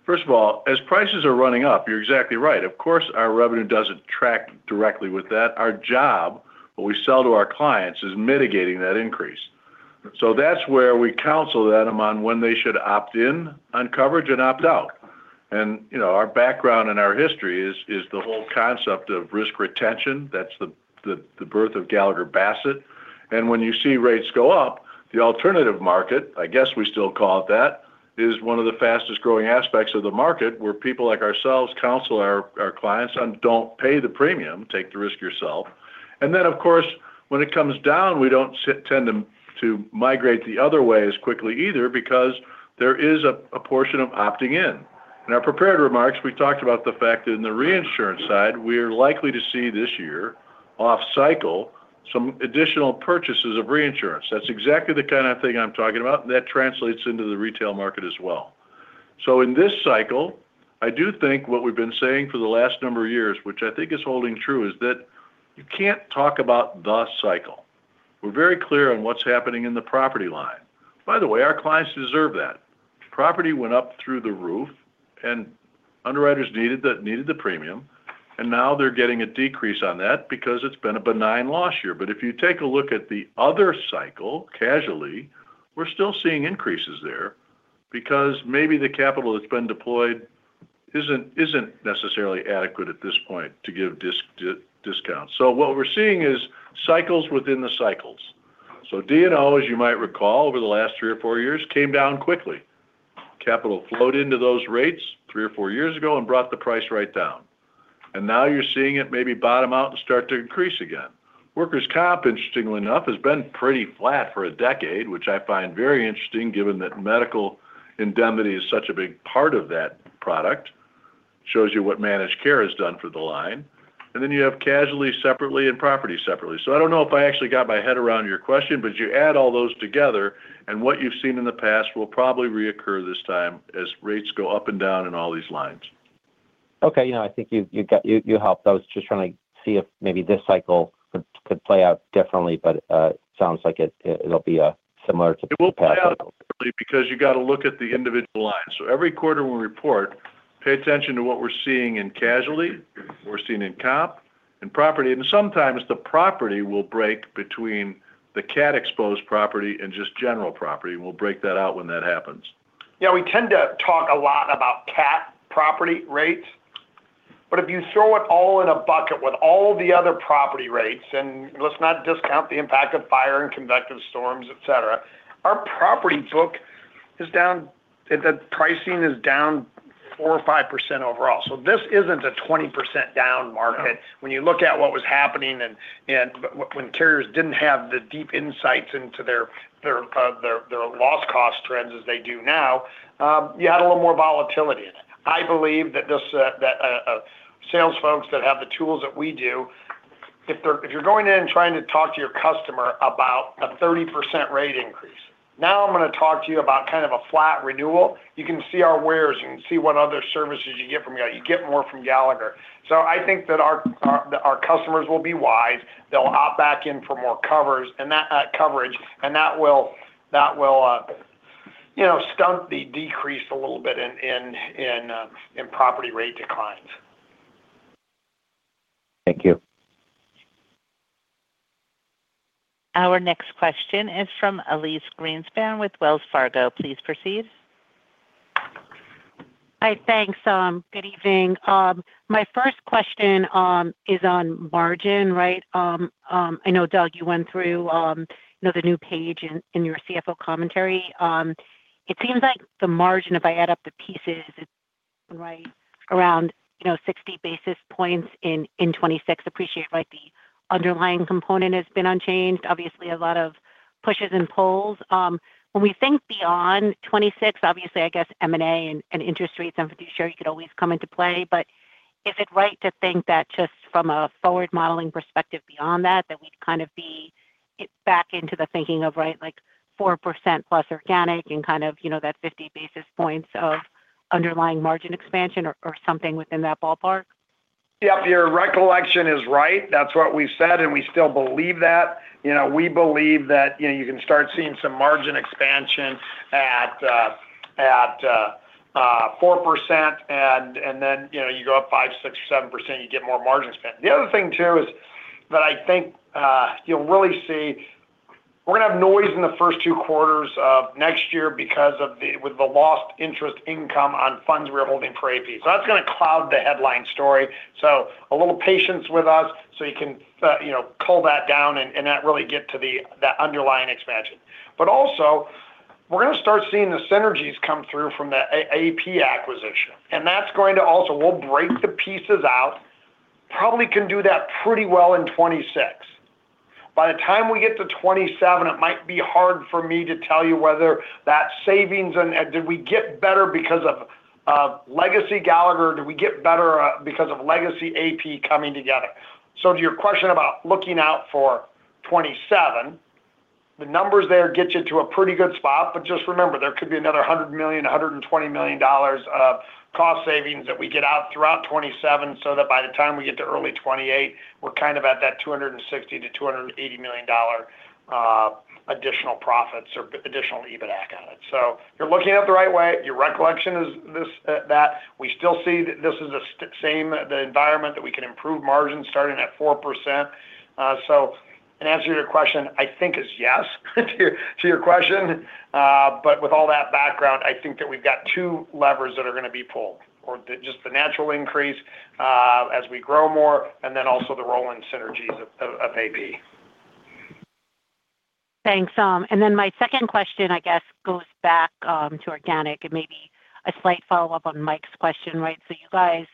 first of all, as prices are running up, you're exactly right. Of course, our revenue doesn't track directly with that. Our job, what we sell to our clients, is mitigating that increase. So that's where we counsel them on when they should opt in on coverage and opt out. And our background and our history is the whole concept of risk retention. That's the birth of Gallagher Bassett. And when you see rates go up, the alternative market, I guess we still call it that, is one of the fastest-growing aspects of the market where people like ourselves counsel our clients on, "Don't pay the premium. Take the risk yourself." And then, of course, when it comes down, we don't tend to migrate the other way as quickly either because there is a portion of opting in. In our prepared remarks, we talked about the fact that in the reinsurance side, we are likely to see this year off-cycle some additional purchases of reinsurance. That's exactly the kind of thing I'm talking about, and that translates into the retail market as well. So in this cycle, I do think what we've been saying for the last number of years, which I think is holding true, is that you can't talk about the cycle. We're very clear on what's happening in the property line. By the way, our clients deserve that. Property went up through the roof, and underwriters needed the premium. Now they're getting a decrease on that because it's been a benign loss year. If you take a look at the other cycle, casualty, we're still seeing increases there because maybe the capital that's been deployed isn't necessarily adequate at this point to give discounts. What we're seeing is cycles within the cycles. D&O, as you might recall, over the last three or four years, came down quickly. Capital flowed into those rates three or four years ago and brought the price right down. Now you're seeing it maybe bottom out and start to increase again. Workers' Comp, interestingly enough, has been pretty flat for a decade, which I find very interesting given that medical indemnity is such a big part of that product. It shows you what managed care has done for the line. Then you have casualty separately and property separately. So I don't know if I actually got my head around your question, but you add all those together, and what you've seen in the past will probably reoccur this time as rates go up and down in all these lines. Okay. I think you helped. I was just trying to see if maybe this cycle could play out differently, but it sounds like it'll be similar to the past cycle. It will play out differently because you got to look at the individual lines. So every quarter we report, pay attention to what we're seeing in casualty, what we're seeing in Comp, in property. And sometimes the property will break between the cat-exposed property and just general property. And we'll break that out when that happens. Yeah. We tend to talk a lot about Cat property rates. But if you throw it all in a bucket with all the other property rates, and let's not discount the impact of fire and convective storms, etc., our property book is down the pricing is down 4% or 5% overall. So this isn't a 20% down market. When you look at what was happening and when carriers didn't have the deep insights into their loss cost trends as they do now, you had a little more volatility in it. I believe that sales folks that have the tools that we do, if you're going in and trying to talk to your customer about a 30% rate increase, now I'm going to talk to you about kind of a flat renewal. You can see our wares. You can see what other services you get from you. You get more from Gallagher. So I think that our customers will be wise. They'll opt back in for more coverage, and that will stunt the decrease a little bit in property rate declines. Thank you. Our next question is from Elise Greenspan with Wells Fargo. Please proceed. Hi. Thanks. Good evening. My first question is on margin, right? I know, Doug, you went through the new page in your CFO Commentary. It seems like the margin, if I add up the pieces, it's right around 60 basis points in 2026. Appreciate the underlying component has been unchanged. Obviously, a lot of pushes and pulls. When we think beyond 2026, obviously, I guess M&A and interest rates and fiduciary could always come into play. But is it right to think that just from a forward modeling perspective beyond that, that we'd kind of be back into the thinking of right 4% plus organic and kind of that 50 basis points of underlying margin expansion or something within that ballpark? Yep. Your recollection is right. That's what we said, and we still believe that. We believe that you can start seeing some margin expansion at 4%, and then you go up 5%, 6%, 7%, you get more margin expansion. The other thing, too, is that I think you'll really see we're going to have noise in the first two quarters of next year with the lost interest income on funds we're holding for AP. So that's going to cloud the headline story. So a little patience with us so you can cull that down and not really get to that underlying expansion. But also, we're going to start seeing the synergies come through from the AP acquisition. And that's going to also we'll break the pieces out. Probably can do that pretty well in 2026. By the time we get to 2027, it might be hard for me to tell you whether that savings and did we get better because of legacy Gallagher, or did we get better because of legacy AP coming together. So to your question about looking out for 2027, the numbers there get you to a pretty good spot. But just remember, there could be another $100 million-$120 million of cost savings that we get out throughout 2027 so that by the time we get to early 2028, we're kind of at that $260 million-$280 million additional profits or additional EBITDA accounted. So you're looking at it the right way. Your recollection is that we still see that this is the same environment that we can improve margins starting at 4%. So in answer to your question, I think is yes to your question. But with all that background, I think that we've got two levers that are going to be pulled, or just the natural increase as we grow more, and then also the rolling synergies of AP. Thanks. Then my second question, I guess, goes back to organic and maybe a slight follow-up on Mike's question, right? So you guys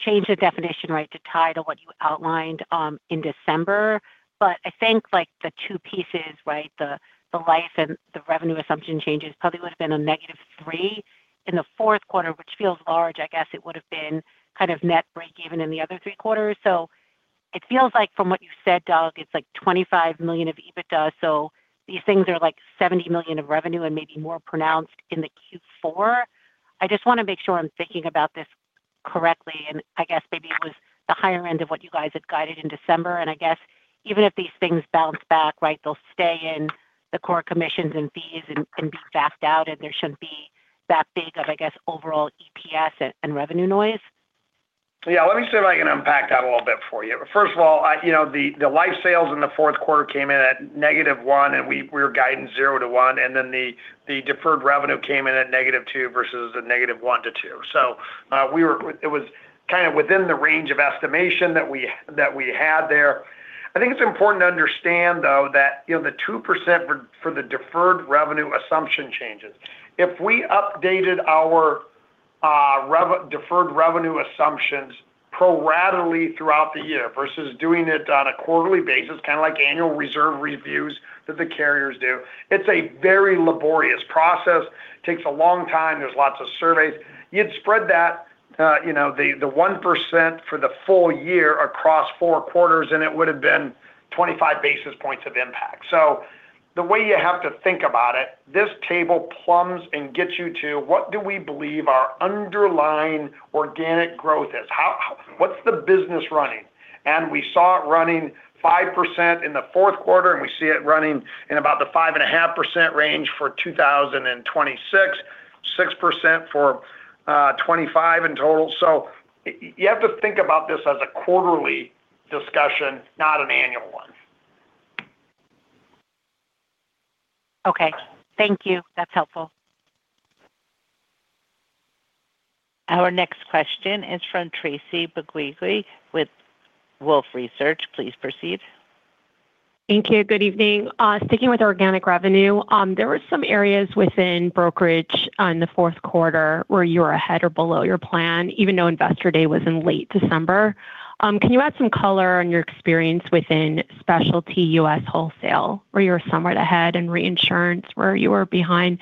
changed the definition, right, to tie to what you outlined in December. But I think the two pieces, right, the life and the revenue assumption changes probably would have been a negative 3 in the fourth quarter, which feels large. I guess it would have been kind of net breakeven in the other three quarters. So it feels like from what you said, Doug, it's like $25 million of EBITDA. So these things are like $70 million of revenue and maybe more pronounced in the Q4. I just want to make sure I'm thinking about this correctly. I guess maybe it was the higher end of what you guys had guided in December. And I guess even if these things bounce back, right, they'll stay in the core commissions and fees and be backed out, and there shouldn't be that big of, I guess, overall EPS and revenue noise. Yeah. Let me see if I can unpack that a little bit for you. First of all, the life sales in the fourth quarter came in at -1, and we were guiding 0-1. And then the deferred revenue came in at -2 versus a -1-2. So it was kind of within the range of estimation that we had there. I think it's important to understand, though, that the 2% for the deferred revenue assumption changes, if we updated our deferred revenue assumptions pro-rata throughout the year versus doing it on a quarterly basis, kind of like annual reserve reviews that the carriers do, it's a very laborious process. It takes a long time. There's lots of surveys. You'd spread that, the 1% for the full year across four quarters, and it would have been 25 basis points of impact. So the way you have to think about it, this table plugs and gets you to what do we believe our underlying organic growth is. What's the business running? And we saw it running 5% in the fourth quarter, and we see it running in about the 5.5% range for 2026, 6% for 2025 in total. So you have to think about this as a quarterly discussion, not an annual one. Okay. Thank you. That's helpful. Our next question is from Tracy Benguigui with Wolfe Research. Please proceed. Thank you. Good evening. Sticking with organic revenue, there were some areas within Brokerage in the fourth quarter where you were ahead or below your plan, even though Investor Day was in late December. Can you add some color on your experience within specialty U.S. wholesale, where you were somewhat ahead in reinsurance, where you were behind?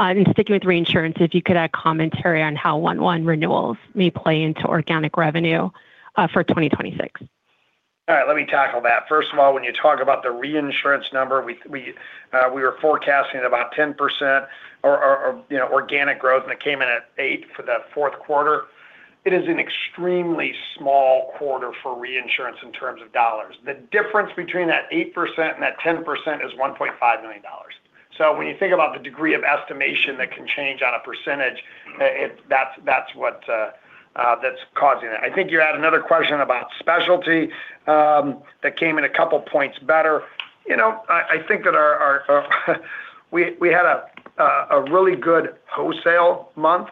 And sticking with reinsurance, if you could add commentary on how 1/1 renewals may play into organic revenue for 2026. All right. Let me tackle that. First of all, when you talk about the reinsurance number, we were forecasting about 10% organic growth, and it came in at 8% for the fourth quarter. It is an extremely small quarter for reinsurance in terms of dollars. The difference between that 8% and that 10% is $1.5 million. So when you think about the degree of estimation that can change on a percentage, that's what's causing it. I think you had another question about specialty that came in a couple of points better. I think that we had a really good wholesale month,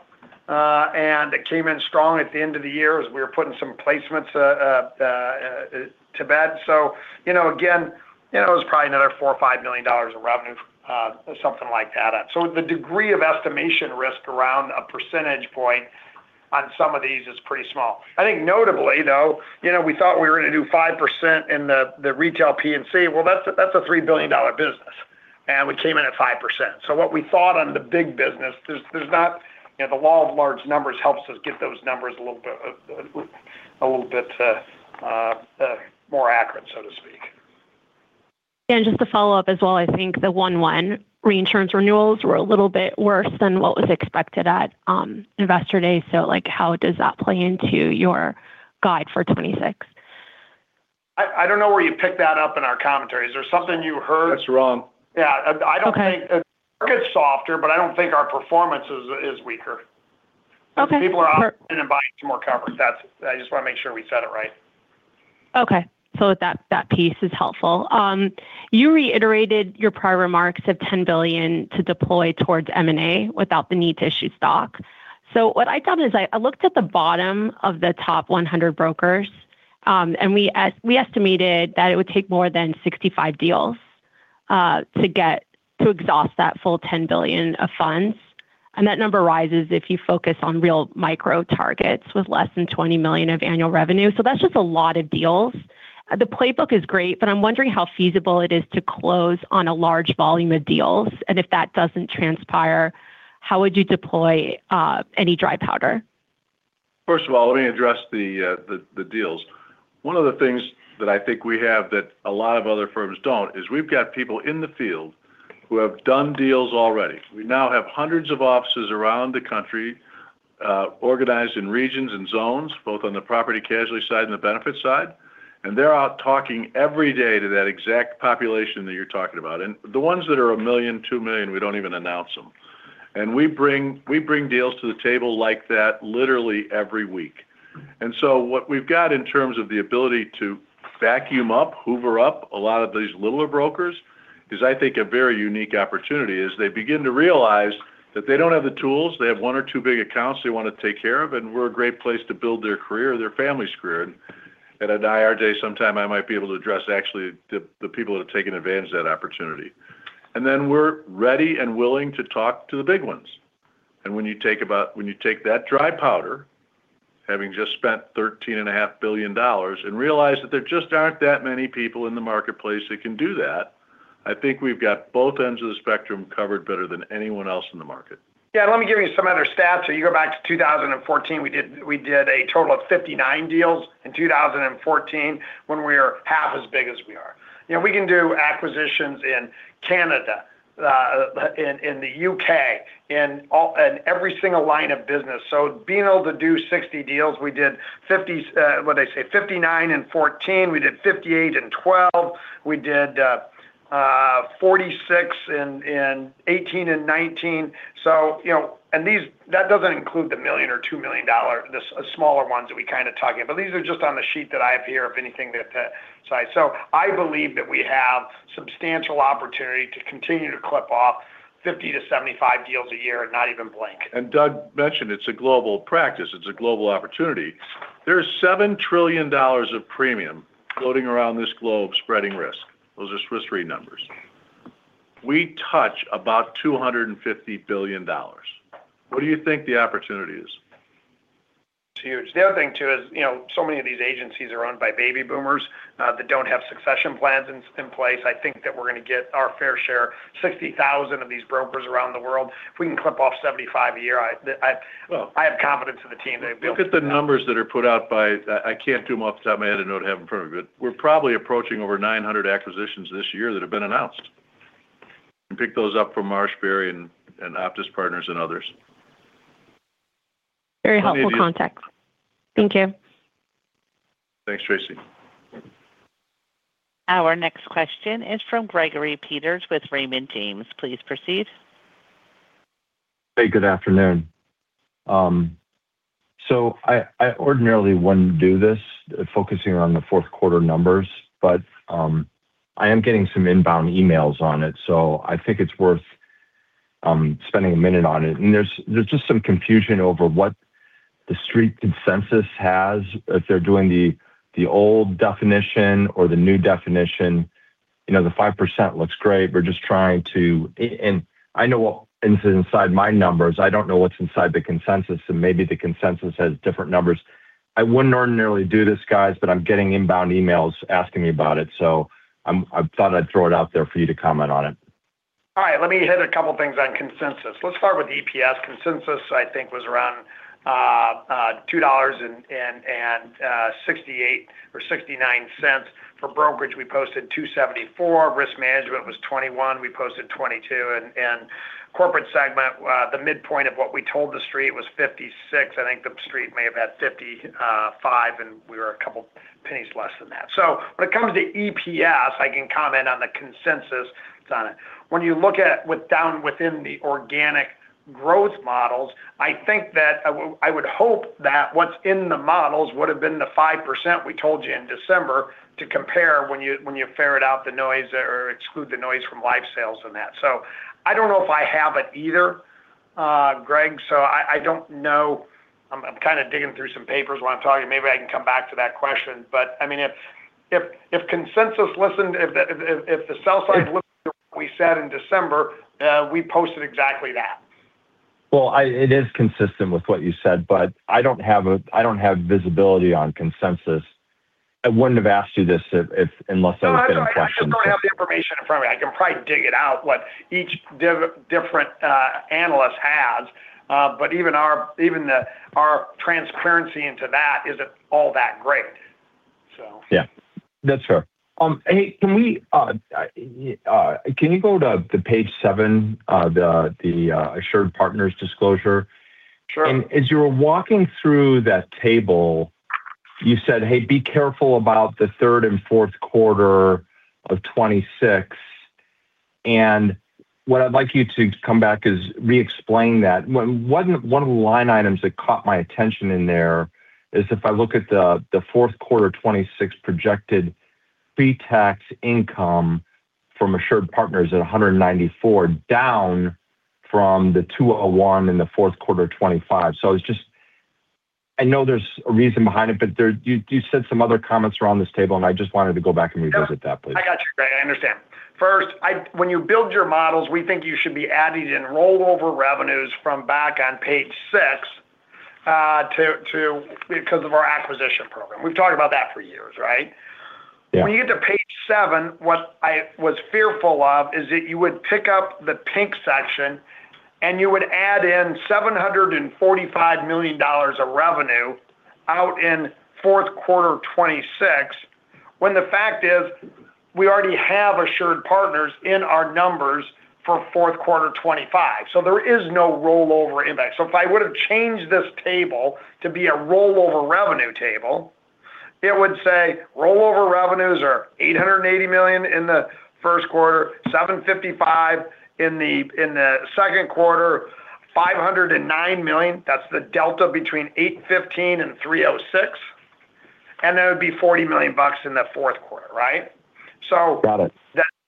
and it came in strong at the end of the year as we were putting some placements to bed. So again, it was probably another $4 million or $5 million of revenue, something like that. So the degree of estimation risk around a percentage point on some of these is pretty small. I think notably, though, we thought we were going to do 5% in the retail P&C. Well, that's a $3 billion business, and we came in at 5%. So what we thought on the big business, the law of large numbers helps us get those numbers a little bit more accurate, so to speak. And just to follow up as well, I think the 1/1 reinsurance renewals were a little bit worse than what was expected at Investor Day. So how does that play into your guide for 2026? I don't know where you picked that up in our commentary. Is there something you heard? That's wrong. Yeah. I don't think market's softer, but I don't think our performance is weaker. People are opting in and buying some more coverage. I just want to make sure we said it right. Okay. So that piece is helpful. You reiterated your prior remarks of $10 billion to deploy towards M&A without the need to issue stock. So what I found is I looked at the bottom of the top 100 brokers, and we estimated that it would take more than 65 deals to exhaust that full $10 billion of funds. And that number rises if you focus on real micro targets with less than $20 million of annual revenue. So that's just a lot of deals. The playbook is great, but I'm wondering how feasible it is to close on a large volume of deals. And if that doesn't transpire, how would you deploy any dry powder? First of all, let me address the deals. One of the things that I think we have that a lot of other firms don't is we've got people in the field who have done deals already. We now have hundreds of offices around the country organized in regions and zones, both on the property casualty side and the benefit side. They're out talking every day to that exact population that you're talking about. The ones that are $1 million, $2 million, we don't even announce them. We bring deals to the table like that literally every week. So what we've got in terms of the ability to vacuum up, hoover up a lot of these littler brokers is, I think, a very unique opportunity as they begin to realize that they don't have the tools. They have one or two big accounts they want to take care of, and we're a great place to build their career or their family's career. At an IR Day sometime, I might be able to address actually the people that have taken advantage of that opportunity. And then we're ready and willing to talk to the big ones. And when you take that dry powder, having just spent $13.5 billion, and realize that there just aren't that many people in the marketplace that can do that, I think we've got both ends of the spectrum covered better than anyone else in the market. Yeah. Let me give you some other stats. You go back to 2014. We did a total of 59 deals in 2014 when we were half as big as we are. We can do acquisitions in Canada, in the UK, in every single line of business. So being able to do 60 deals, we did 50 what did I say? 59 in 2014. We did 58 in 2012. We did 46 in 2018 and 2019. And that doesn't include the $1 million or $2 million, the smaller ones that we kind of talked about. But these are just on the sheet that I have here of anything that side. So I believe that we have substantial opportunity to continue to clip off 50-75 deals a year and not even blink. And Doug mentioned it's a global practice. It's a global opportunity. There's $7 trillion of premium floating around this globe spreading risk. Those are Swiss Re numbers. We touch about $250 billion. What do you think the opportunity is? It's huge. The other thing, too, is so many of these agencies are run by baby boomers that don't have succession plans in place. I think that we're going to get our fair share, 60,000 of these brokers around the world. If we can clip off 75 a year, I have confidence in the team that they'll be able to. Look at the numbers that are put out by. I can't do them off the top of my head and know to have them from you, but we're probably approaching over 900 acquisitions this year that have been announced. And pick those up from MarshBerry and Optis Partners and others. Very helpful context. Thank you. Thanks, Tracy. Our next question is from Gregory Peters with Raymond James. Please proceed. Hey, good afternoon. So I ordinarily wouldn't do this focusing on the fourth quarter numbers, but I am getting some inbound emails on it. So I think it's worth spending a minute on it. And there's just some confusion over what the street consensus has if they're doing the old definition or the new definition. The 5% looks great. We're just trying to—and I know what is inside my numbers. I don't know what's inside the consensus, and maybe the consensus has different numbers. I wouldn't ordinarily do this, guys, but I'm getting inbound emails asking me about it. So I thought I'd throw it out there for you to comment on it. All right. Let me hit a couple of things on consensus. Let's start with EPS. Consensus, I think, was around $2.68 or $0.69. For Brokerage, we posted $2.74. Risk management was $0.21. We posted $0.22. And corporate segment, the midpoint of what we told the street was $0.56. I think the street may have had $0.55, and we were a couple of pennies less than that. So when it comes to EPS, I can comment on the consensus. On it. When you look at down within the organic growth models, I think that I would hope that what's in the models would have been the 5% we told you in December to compare when you ferret out the noise or exclude the noise from life sales and that. So I don't know if I have it either, Greg. So I don't know. I'm kind of digging through some papers while I'm talking. Maybe I can come back to that question. But I mean, if consensus listened, if the sell side listened to what we said in December, we posted exactly that. Well, it is consistent with what you said, but I don't have visibility on consensus. I wouldn't have asked you this unless I was getting questions. I don't have the information in front of me. I can probably dig it out, what each different analyst has. But even our transparency into that isn't all that great, so. Yeah. That's fair. Hey, can you go to Page 7, the AssuredPartners disclosure? Sure. And as you were walking through that table, you said, "Hey, be careful about the third and fourth quarter of 2026." And what I'd like you to come back is re-explain that. One of the line items that caught my attention in there is if I look at the fourth quarter 2026 projected pre-tax income from AssuredPartners at $194 down from the $201 in the fourth quarter 2025. So I know there's a reason behind it, but you said some other comments around this table, and I just wanted to go back and revisit that, please. I got you, Greg. I understand. First, when you build your models, we think you should be adding in rollover revenues from back on Page 6 because of our acquisition program. We've talked about that for years, right? When you get to Page 7, what I was fearful of is that you would pick up the pink section and you would add in $745 million of revenue out in fourth quarter 2026 when the fact is we already have AssuredPartners in our numbers for fourth quarter 2025. So there is no rollover impact. So if I would have changed this table to be a rollover revenue table, it would say rollover revenues are $880 million in the first quarter, $755 million in the second quarter, $509 million. That's the delta between $815 million and $306 million. And that would be $40 million bucks in the fourth quarter, right? So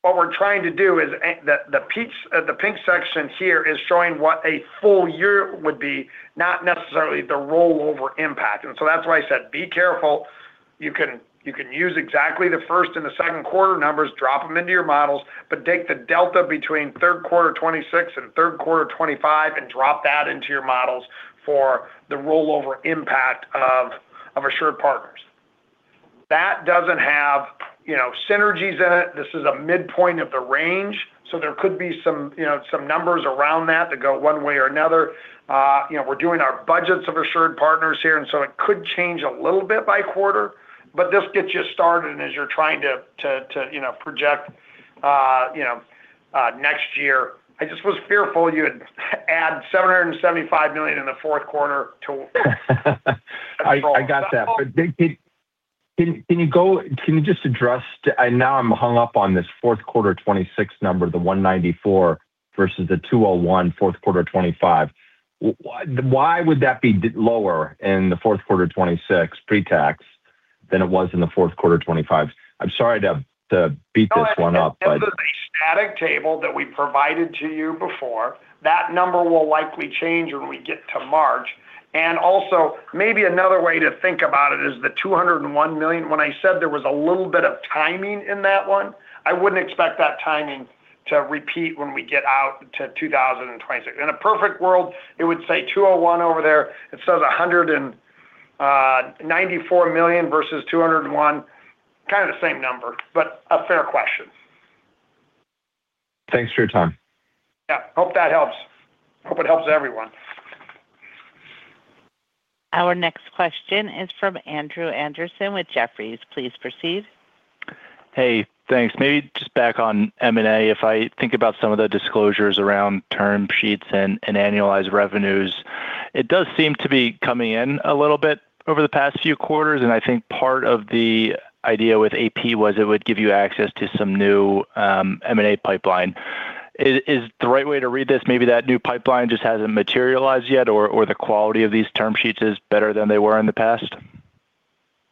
what we're trying to do is the pink section here is showing what a full year would be, not necessarily the rollover impact. And so that's why I said, "Be careful. You can use exactly the first and the second quarter numbers, drop them into your models, predict the delta between third quarter 2026 and third quarter 2025, and drop that into your models for the rollover impact of AssuredPartners." That doesn't have synergies in it. This is a midpoint of the range. So there could be some numbers around that that go one way or another. We're doing our budgets of AssuredPartners here, and so it could change a little bit by quarter. But this gets you started as you're trying to project next year. I just was fearful you would add $775 million in the fourth quarter too. I got that. But can you just address—and now I'm hung up on this fourth quarter 2026 number, the $194 million versus the $201 million fourth quarter 2025. Why would that be lower in the fourth quarter 2026 pre-tax than it was in the fourth quarter 2025? I'm sorry to beat this one up, A static table that we provided to you before. That number will likely change when we get to March. And also, maybe another way to think about it is the $201 million. When I said there was a little bit of timing in that one, I wouldn't expect that timing to repeat when we get out to 2026. In a perfect world, it would say $201 million over there. It says $194 million versus $201 million, kind of the same number, but a fair question. Thanks for your time. Yeah. Hope that helps. Hope it helps everyone. Our next question is from Andrew Andersen with Jefferies. Please proceed. Hey, thanks. Maybe just back on M&A. If I think about some of the disclosures around term sheets and annualized revenues, it does seem to be coming in a little bit over the past few quarters. And I think part of the idea with AP was it would give you access to some new M&A pipeline. Is the right way to read this maybe that new pipeline just hasn't materialized yet or the quality of these term sheets is better than they were in the past?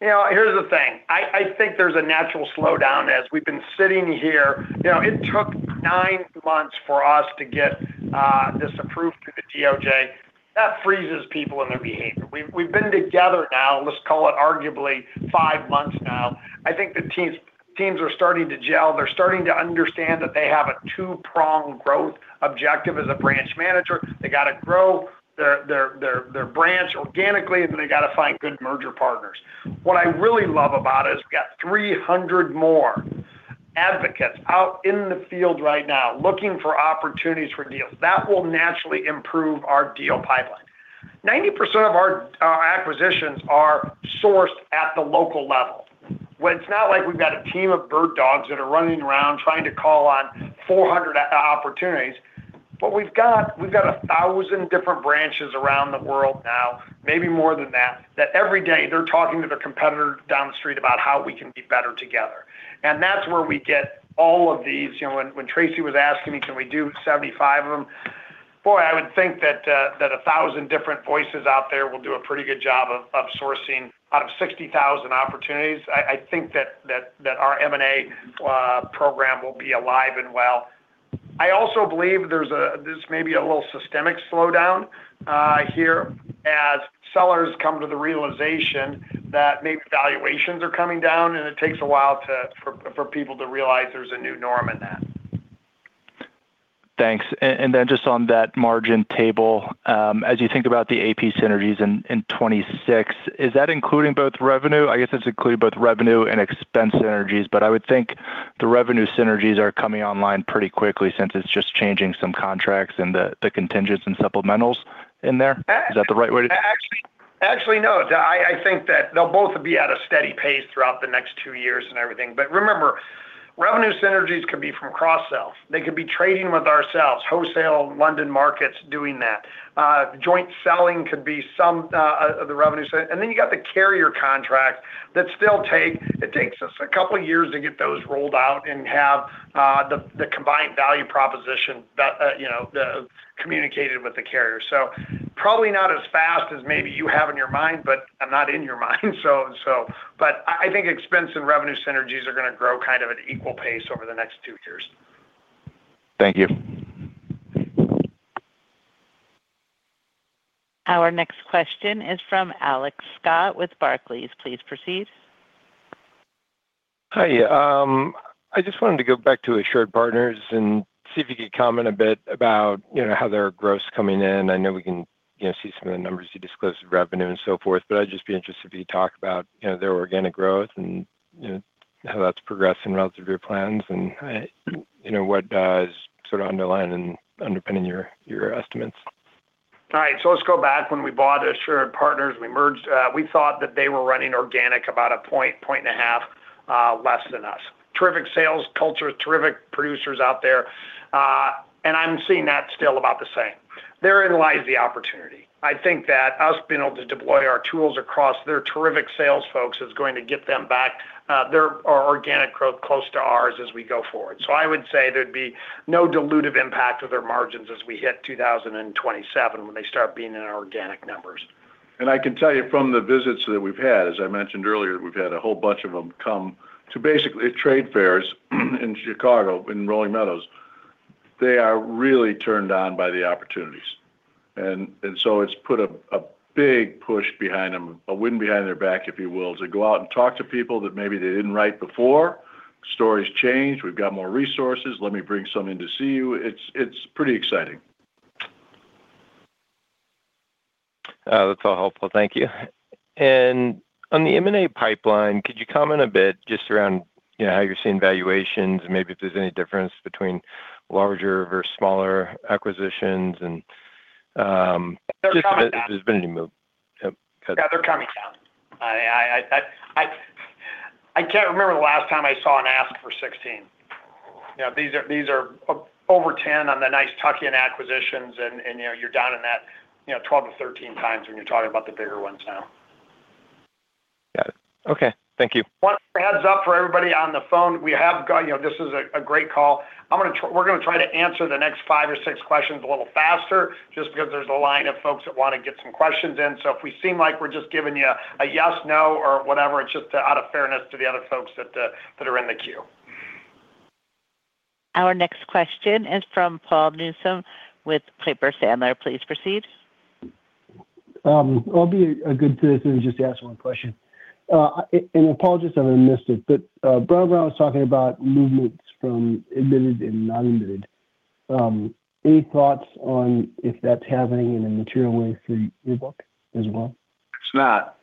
Here's the thing. I think there's a natural slowdown as we've been sitting here. It took nine months for us to get this approved through the DOJ. That freezes people in their behavior. We've been together now, let's call it arguably five months now. I think the teams are starting to gel. They're starting to understand that they have a two-pronged growth objective as a branch manager. They got to grow their branch organically, and they got to find good merger partners. What I really love about it is we got 300 more advocates out in the field right now looking for opportunities for deals. That will naturally improve our deal pipeline. 90% of our acquisitions are sourced at the local level. It's not like we've got a team of bird dogs that are running around trying to call on 400 opportunities. But we've got 1,000 different branches around the world now, maybe more than that, that every day they're talking to their competitor down the street about how we can be better together. And that's where we get all of these. When Tracy was asking me, "Can we do 75 of them?" Boy, I would think that 1,000 different voices out there will do a pretty good job of sourcing out of 60,000 opportunities. I think that our M&A program will be alive and well. I also believe there's maybe a little systemic slowdown here as sellers come to the realization that maybe valuations are coming down, and it takes a while for people to realize there's a new norm in that. Thanks. And then just on that margin table, as you think about the AP synergies in 2026, is that including both revenue? I guess it's including both revenue and expense synergies. But I would think the revenue synergies are coming online pretty quickly since it's just changing some contracts and the contingents and supplementals in there. Is that the right way to— Actually, no. I think that they'll both be at a steady pace throughout the next two years and everything. But remember, revenue synergies could be from cross-sell. They could be trading with ourselves, wholesale, London markets doing that. Joint selling could be some of the revenue synergies. And then you got the carrier contract that still takes us a couple of years to get those rolled out and have the combined value proposition communicated with the carrier. So probably not as fast as maybe you have in your mind, but I'm not in your mind. But I think expense and revenue synergies are going to grow kind of at equal pace over the next two years. Thank you. Our next question is from Alex Scott with Barclays. Please proceed. Hi. I just wanted to go back to AssuredPartners and see if you could comment a bit about how their growth's coming in. I know we can see some of the numbers you disclosed of revenue and so forth, but I'd just be interested if you could talk about their organic growth and how that's progressing relative to your plans and what is sort of underlining and underpinning your estimates. All right. Let's go back. When we bought AssuredPartners, we merged. We thought that they were running organic about 1 point, 1.5 points less than us. Terrific sales culture, terrific producers out there. And I'm seeing that still about the same. Therein lies the opportunity. I think that us being able to deploy our tools across their terrific sales folks is going to get them back their organic growth close to ours as we go forward. So I would say there'd be no dilutive impact with their margins as we hit 2027 when they start being in organic numbers. And I can tell you from the visits that we've had, as I mentioned earlier, we've had a whole bunch of them come to basically trade fairs in Chicago in Rolling Meadows. They are really turned on by the opportunities. And so it's put a big push behind them, a wind behind their back, if you will, to go out and talk to people that maybe they didn't write before. Stories change. We've got more resources. Let me bring some in to see you. It's pretty exciting. That's all helpful. Thank you. And on the M&A pipeline, could you comment a bit just around how you're seeing valuations, maybe if there's any difference between larger versus smaller acquisitions and just how there's been any move? Yeah. They're coming down. I can't remember the last time I saw an ask for 16. These are over 10 on the tuck-in acquisitions, and you're down in that 12-13 times when you're talking about the bigger ones now. Got it. Okay. Thank you. One heads up for everybody on the phone. We have got, this is a great call. We're going to try to answer the next 5 or 6 questions a little faster just because there's a line of folks that want to get some questions in. So if we seem like we're just giving you a yes, no, or whatever, it's just out of fairness to the other folks that are in the queue. Our next question is from Paul Newsom with Piper Sandler. Please proceed. I'll be a good citizen and just ask one question. Apologies if I missed it, but Brown & Brown was talking about movements from admitted and non-admitted. Any thoughts on if that's happening in a material way for your book as well? It's not.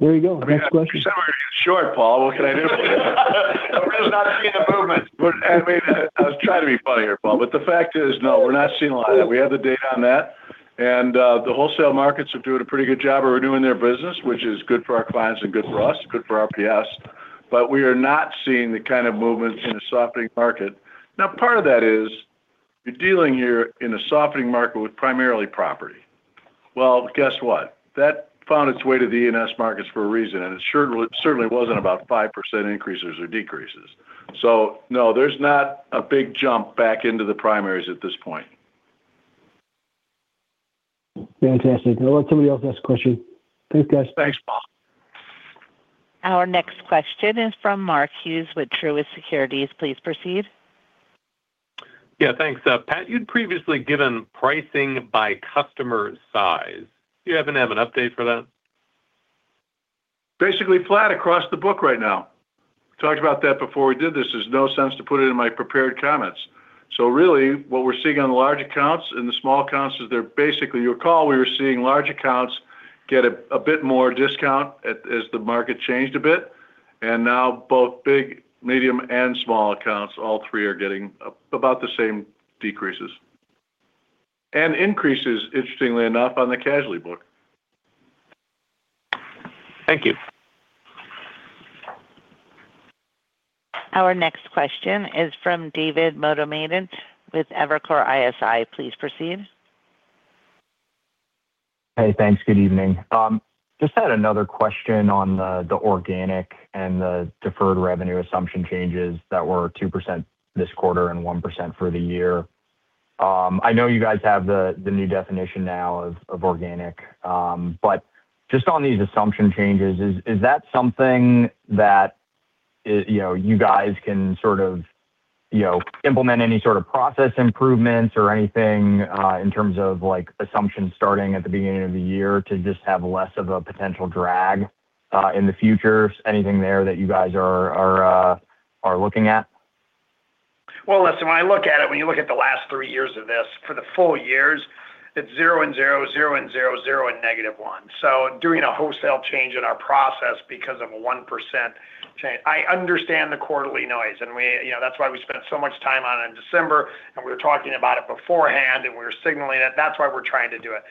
There you go. Next question. I'm sure, Paul. What can I do? I'm really not seeing the movements. I mean, I was trying to be funny here, Paul, but the fact is, no, we're not seeing a lot of that. We have the data on that. And the wholesale markets are doing a pretty good job. We're doing their business, which is good for our clients and good for us, good for RPS. But we are not seeing the kind of movements in a softening market. Now, part of that is you're dealing here in a softening market with primarily property. Well, guess what? That found its way to the E&S markets for a reason, and it certainly wasn't about 5% increases or decreases. So no, there's not a big jump back into the primaries at this point. Fantastic. I'll let somebody else ask a question. Thanks, guys. Thanks, Paul. Our next question is from Mark Hughes with Truist Securities. Please proceed. Yeah. Thanks. Pat, you'd previously given pricing by customer size. Do you happen to have an update for that? Basically flat across the book right now. Talked about that before we did this. There's no sense to put it in my prepared comments. So really, what we're seeing on the large accounts and the small accounts is they're basically, you recall we were seeing large accounts get a bit more discount as the market changed a bit. And now both big, medium, and small accounts, all three are getting about the same decreases and increases, interestingly enough, on the casualty book. Thank you. Our next question is from David Motemaden with Evercore ISI. Please proceed. Hey, thanks. Good evening. Just had another question on the organic and the deferred revenue assumption changes that were 2% this quarter and 1% for the year. I know you guys have the new definition now of organic, but just on these assumption changes, is that something that you guys can sort of implement any sort of process improvements or anything in terms of assumptions starting at the beginning of the year to just have less of a potential drag in the future? Anything there that you guys are looking at? Well, listen, when I look at it, when you look at the last three years of this, for the full years, it's 0 and 0, 0 and 0, 0 and -1. So doing a wholesale change in our process because of a 1% change. I understand the quarterly noise, and that's why we spent so much time on it in December, and we were talking about it beforehand, and we were signaling that. That's why we're trying to do it.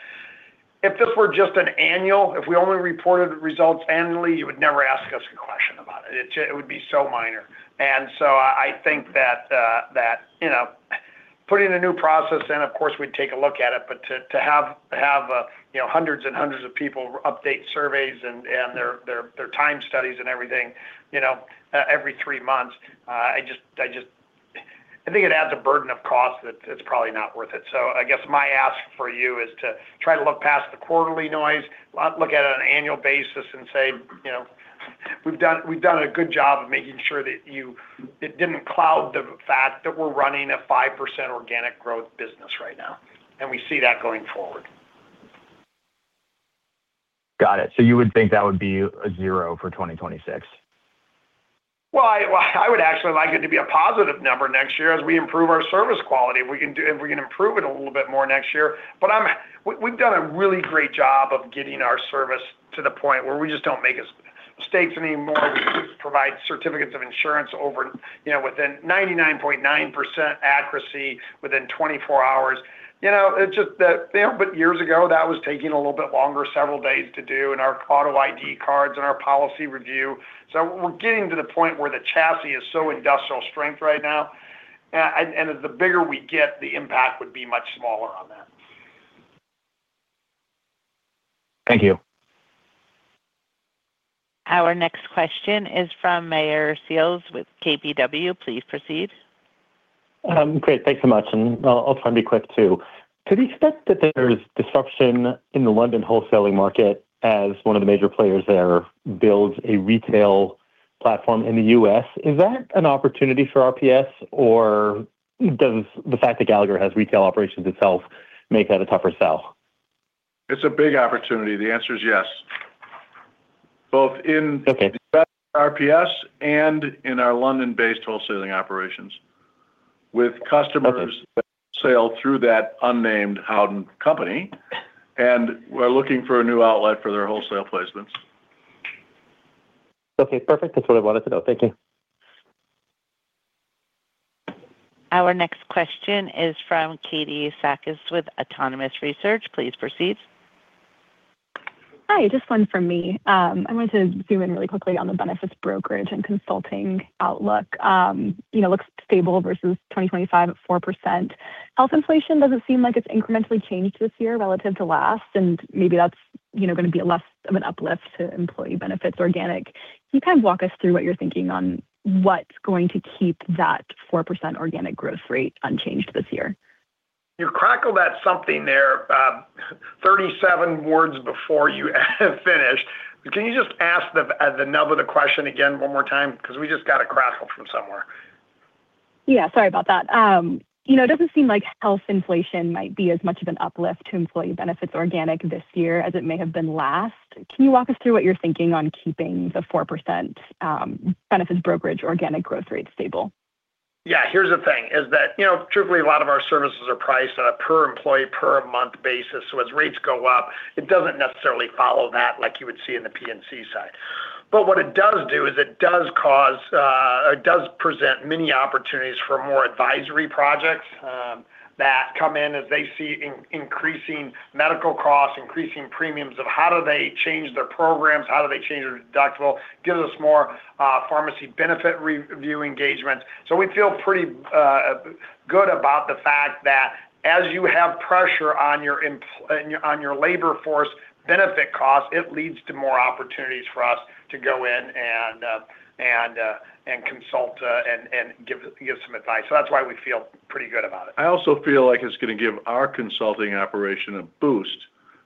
If this were just an annual, if we only reported results annually, you would never ask us a question about it. It would be so minor. And so I think that putting a new process in, of course, we'd take a look at it, but to have hundreds and hundreds of people update surveys and their time studies and everything every three months, I think it adds a burden of cost that it's probably not worth it. So I guess my ask for you is to try to look past the quarterly noise, look at it on an annual basis, and say, "We've done a good job of making sure that it didn't cloud the fact that we're running a 5% organic growth business right now, and we see that going forward." Got it. So you would think that would be a zero for 2026? Well, I would actually like it to be a positive number next year as we improve our service quality. If we can improve it a little bit more next year. But we've done a really great job of getting our service to the point where we just don't make mistakes anymore. We provide certificates of insurance within 99.9% accuracy within 24 hours. It's just that years ago, that was taking a little bit longer, several days to do, and our auto ID cards and our policy review. So we're getting to the point where the chassis is so industrial strength right now, and the bigger we get, the impact would be much smaller on that. Thank you. Our next question is from Meyer Shields with KBW. Please proceed. Great. Thanks so much. And I'll try to be quick too. To the extent that there's disruption in the London wholesaling market as one of the major players there builds a retail platform in the U.S., is that an opportunity for RPS, or does the fact that Gallagher has retail operations itself make that a tougher sell? It's a big opportunity. The answer is yes. Both in RPS and in our London-based wholesaling operations with customers that sell through that unnamed Howden company, and we're looking for a new outlet for their wholesale placements. Okay. Perfect. That's what I wanted to know. Thank you. Our next question is from Katie Sakys with Autonomous Research. Please proceed. Hi. Just one from me. I wanted to zoom in really quickly on the benefits Brokerage and consulting outlook. Looks stable versus 2025 at 4%. Health inflation doesn't seem like it's incrementally changed this year relative to last, and maybe that's going to be less of an uplift to employee benefits organic. Can you kind of walk us through what you're thinking on what's going to keep that 4% organic growth rate unchanged this year? You crackled at something there, 37 words before you finished. Can you just ask the nub of the question again one more time? Because we just got a crackle from somewhere. Yeah. Sorry about that. It doesn't seem like health inflation might be as much of an uplift to employee benefits organic this year as it may have been last. Can you walk us through what you're thinking on keeping the 4% benefits Brokerage organic growth rate stable? Yeah. Here's the thing is that truthfully, a lot of our services are priced on a per-employee, per-month basis. So as rates go up, it doesn't necessarily follow that like you would see in the P&C side. But what it does do is it does cause or does present many opportunities for more advisory projects that come in as they see increasing medical costs, increasing premiums of how do they change their programs, how do they change their deductible, gives us more pharmacy benefit review engagements. So we feel pretty good about the fact that as you have pressure on your labor force benefit costs, it leads to more opportunities for us to go in and consult and give some advice. So that's why we feel pretty good about it. I also feel like it's going to give our consulting operation a boost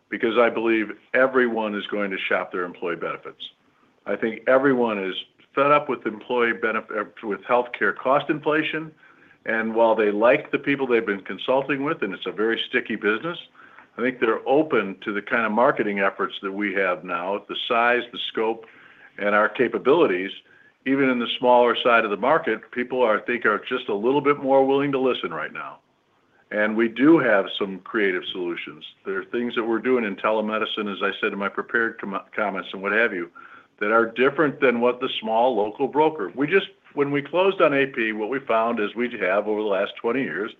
because I believe everyone is going to shop their employee benefits. I think everyone is fed up with healthcare cost inflation. And while they like the people they've been consulting with, and it's a very sticky business, I think they're open to the kind of marketing efforts that we have now, the size, the scope, and our capabilities. Even in the smaller side of the market, people I think are just a little bit more willing to listen right now. And we do have some creative solutions. There are things that we're doing in telemedicine, as I said in my prepared comments and what have you, that are different than what the small local broker. When we closed on AP, what we found is we'd have over the last 20 years,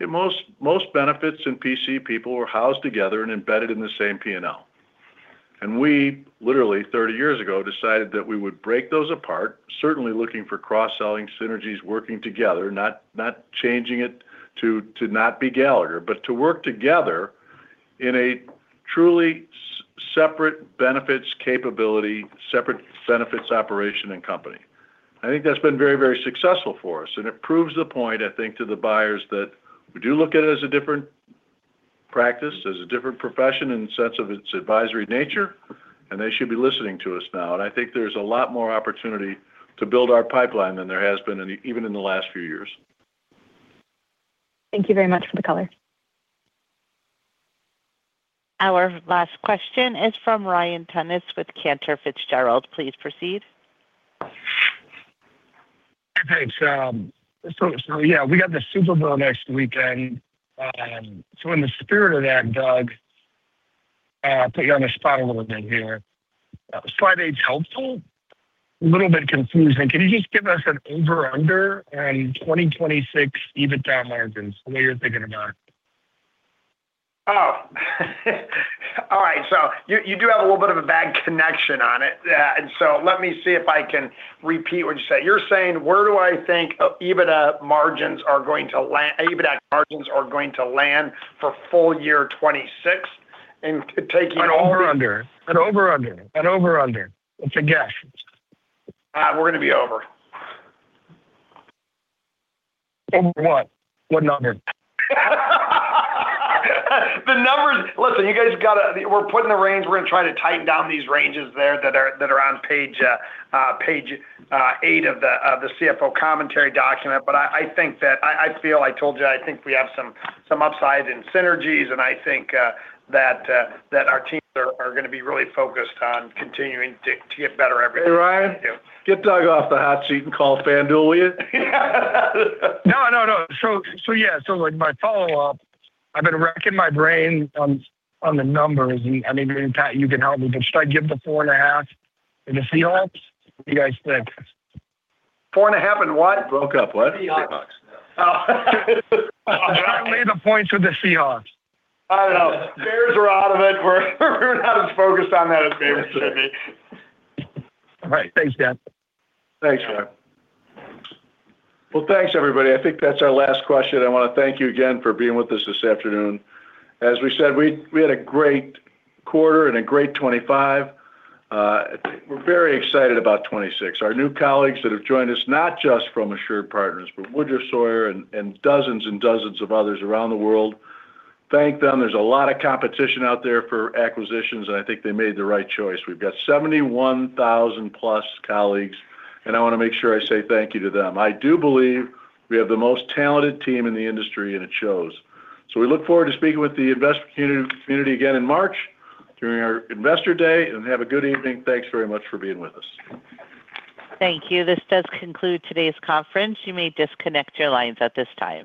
most benefits and PC people were housed together and embedded in the same P&L. And we literally, 30 years ago, decided that we would break those apart, certainly looking for cross-selling synergies working together, not changing it to not be Gallagher, but to work together in a truly separate benefits capability, separate benefits operation and company. I think that's been very, very successful for us. And it proves the point, I think, to the buyers that we do look at it as a different practice, as a different profession in the sense of its advisory nature, and they should be listening to us now. And I think there's a lot more opportunity to build our pipeline than there has been even in the last few years. Thank you very much for the color. Our last question is from Ryan Tunis with Cantor Fitzgerald. Please proceed. Hey, thanks. So yeah, we got the Super Bowl next weekend. So in the spirit of that, Doug, I'll put you on the spot a little bit here. Slide 8's helpful. A little bit confusing. Can you just give us an over/under and 2026 EBITDA margins, the way you're thinking about it? Oh. All right. So you do have a little bit of a bad connection on it. And so let me see if I can repeat what you said. You're saying where do I think EBITDA margins are going to land? EBITDA margins are going to land for full year 2026 and taking over. An over/under. An over/under. An over/under. It's a guess. We're going to be over. Over what? What number? The numbers listen, you guys got to we're putting the range. We're going to try to tighten down these ranges there that are on Page 8 of the CFO Commentary document. But I think that I feel I told you I think we have some upside in synergies, and I think that our teams are going to be really focused on continuing to get better every day. Hey, Ryan. Get Doug off the hot seat and call FanDuel with you. No, no, no. So yeah. So my follow-up, I've been wrecking my brain on the numbers. And I mean, Pat, you can help me, but should I give the 4.5 to the Seahawks? What do you guys think? 4.5 and what? Broke up, what? $80. I'm trying to leave the points with the Seahawks. I don't know. The Bears are out of it. We're not as focused on that as Bears should be. All right. Thanks, Pat. Thanks, Ryan. Well, thanks, everybody. I think that's our last question. I want to thank you again for being with us this afternoon. As we said, we had a great quarter and a great 2025. We're very excited about 2026. Our new colleagues that have joined us, not just from AssuredPartners, but Woodruff Sawyer and dozens and dozens of others around the world, thank them. There's a lot of competition out there for acquisitions, and I think they made the right choice. We've got 71,000-plus colleagues, and I want to make sure I say thank you to them. I do believe we have the most talented team in the industry, and it shows. So we look forward to speaking with the investor community again in March during our investor day. Have a good evening. Thanks very much for being with us. Thank you. This does conclude today's conference. You may disconnect your lines at this time.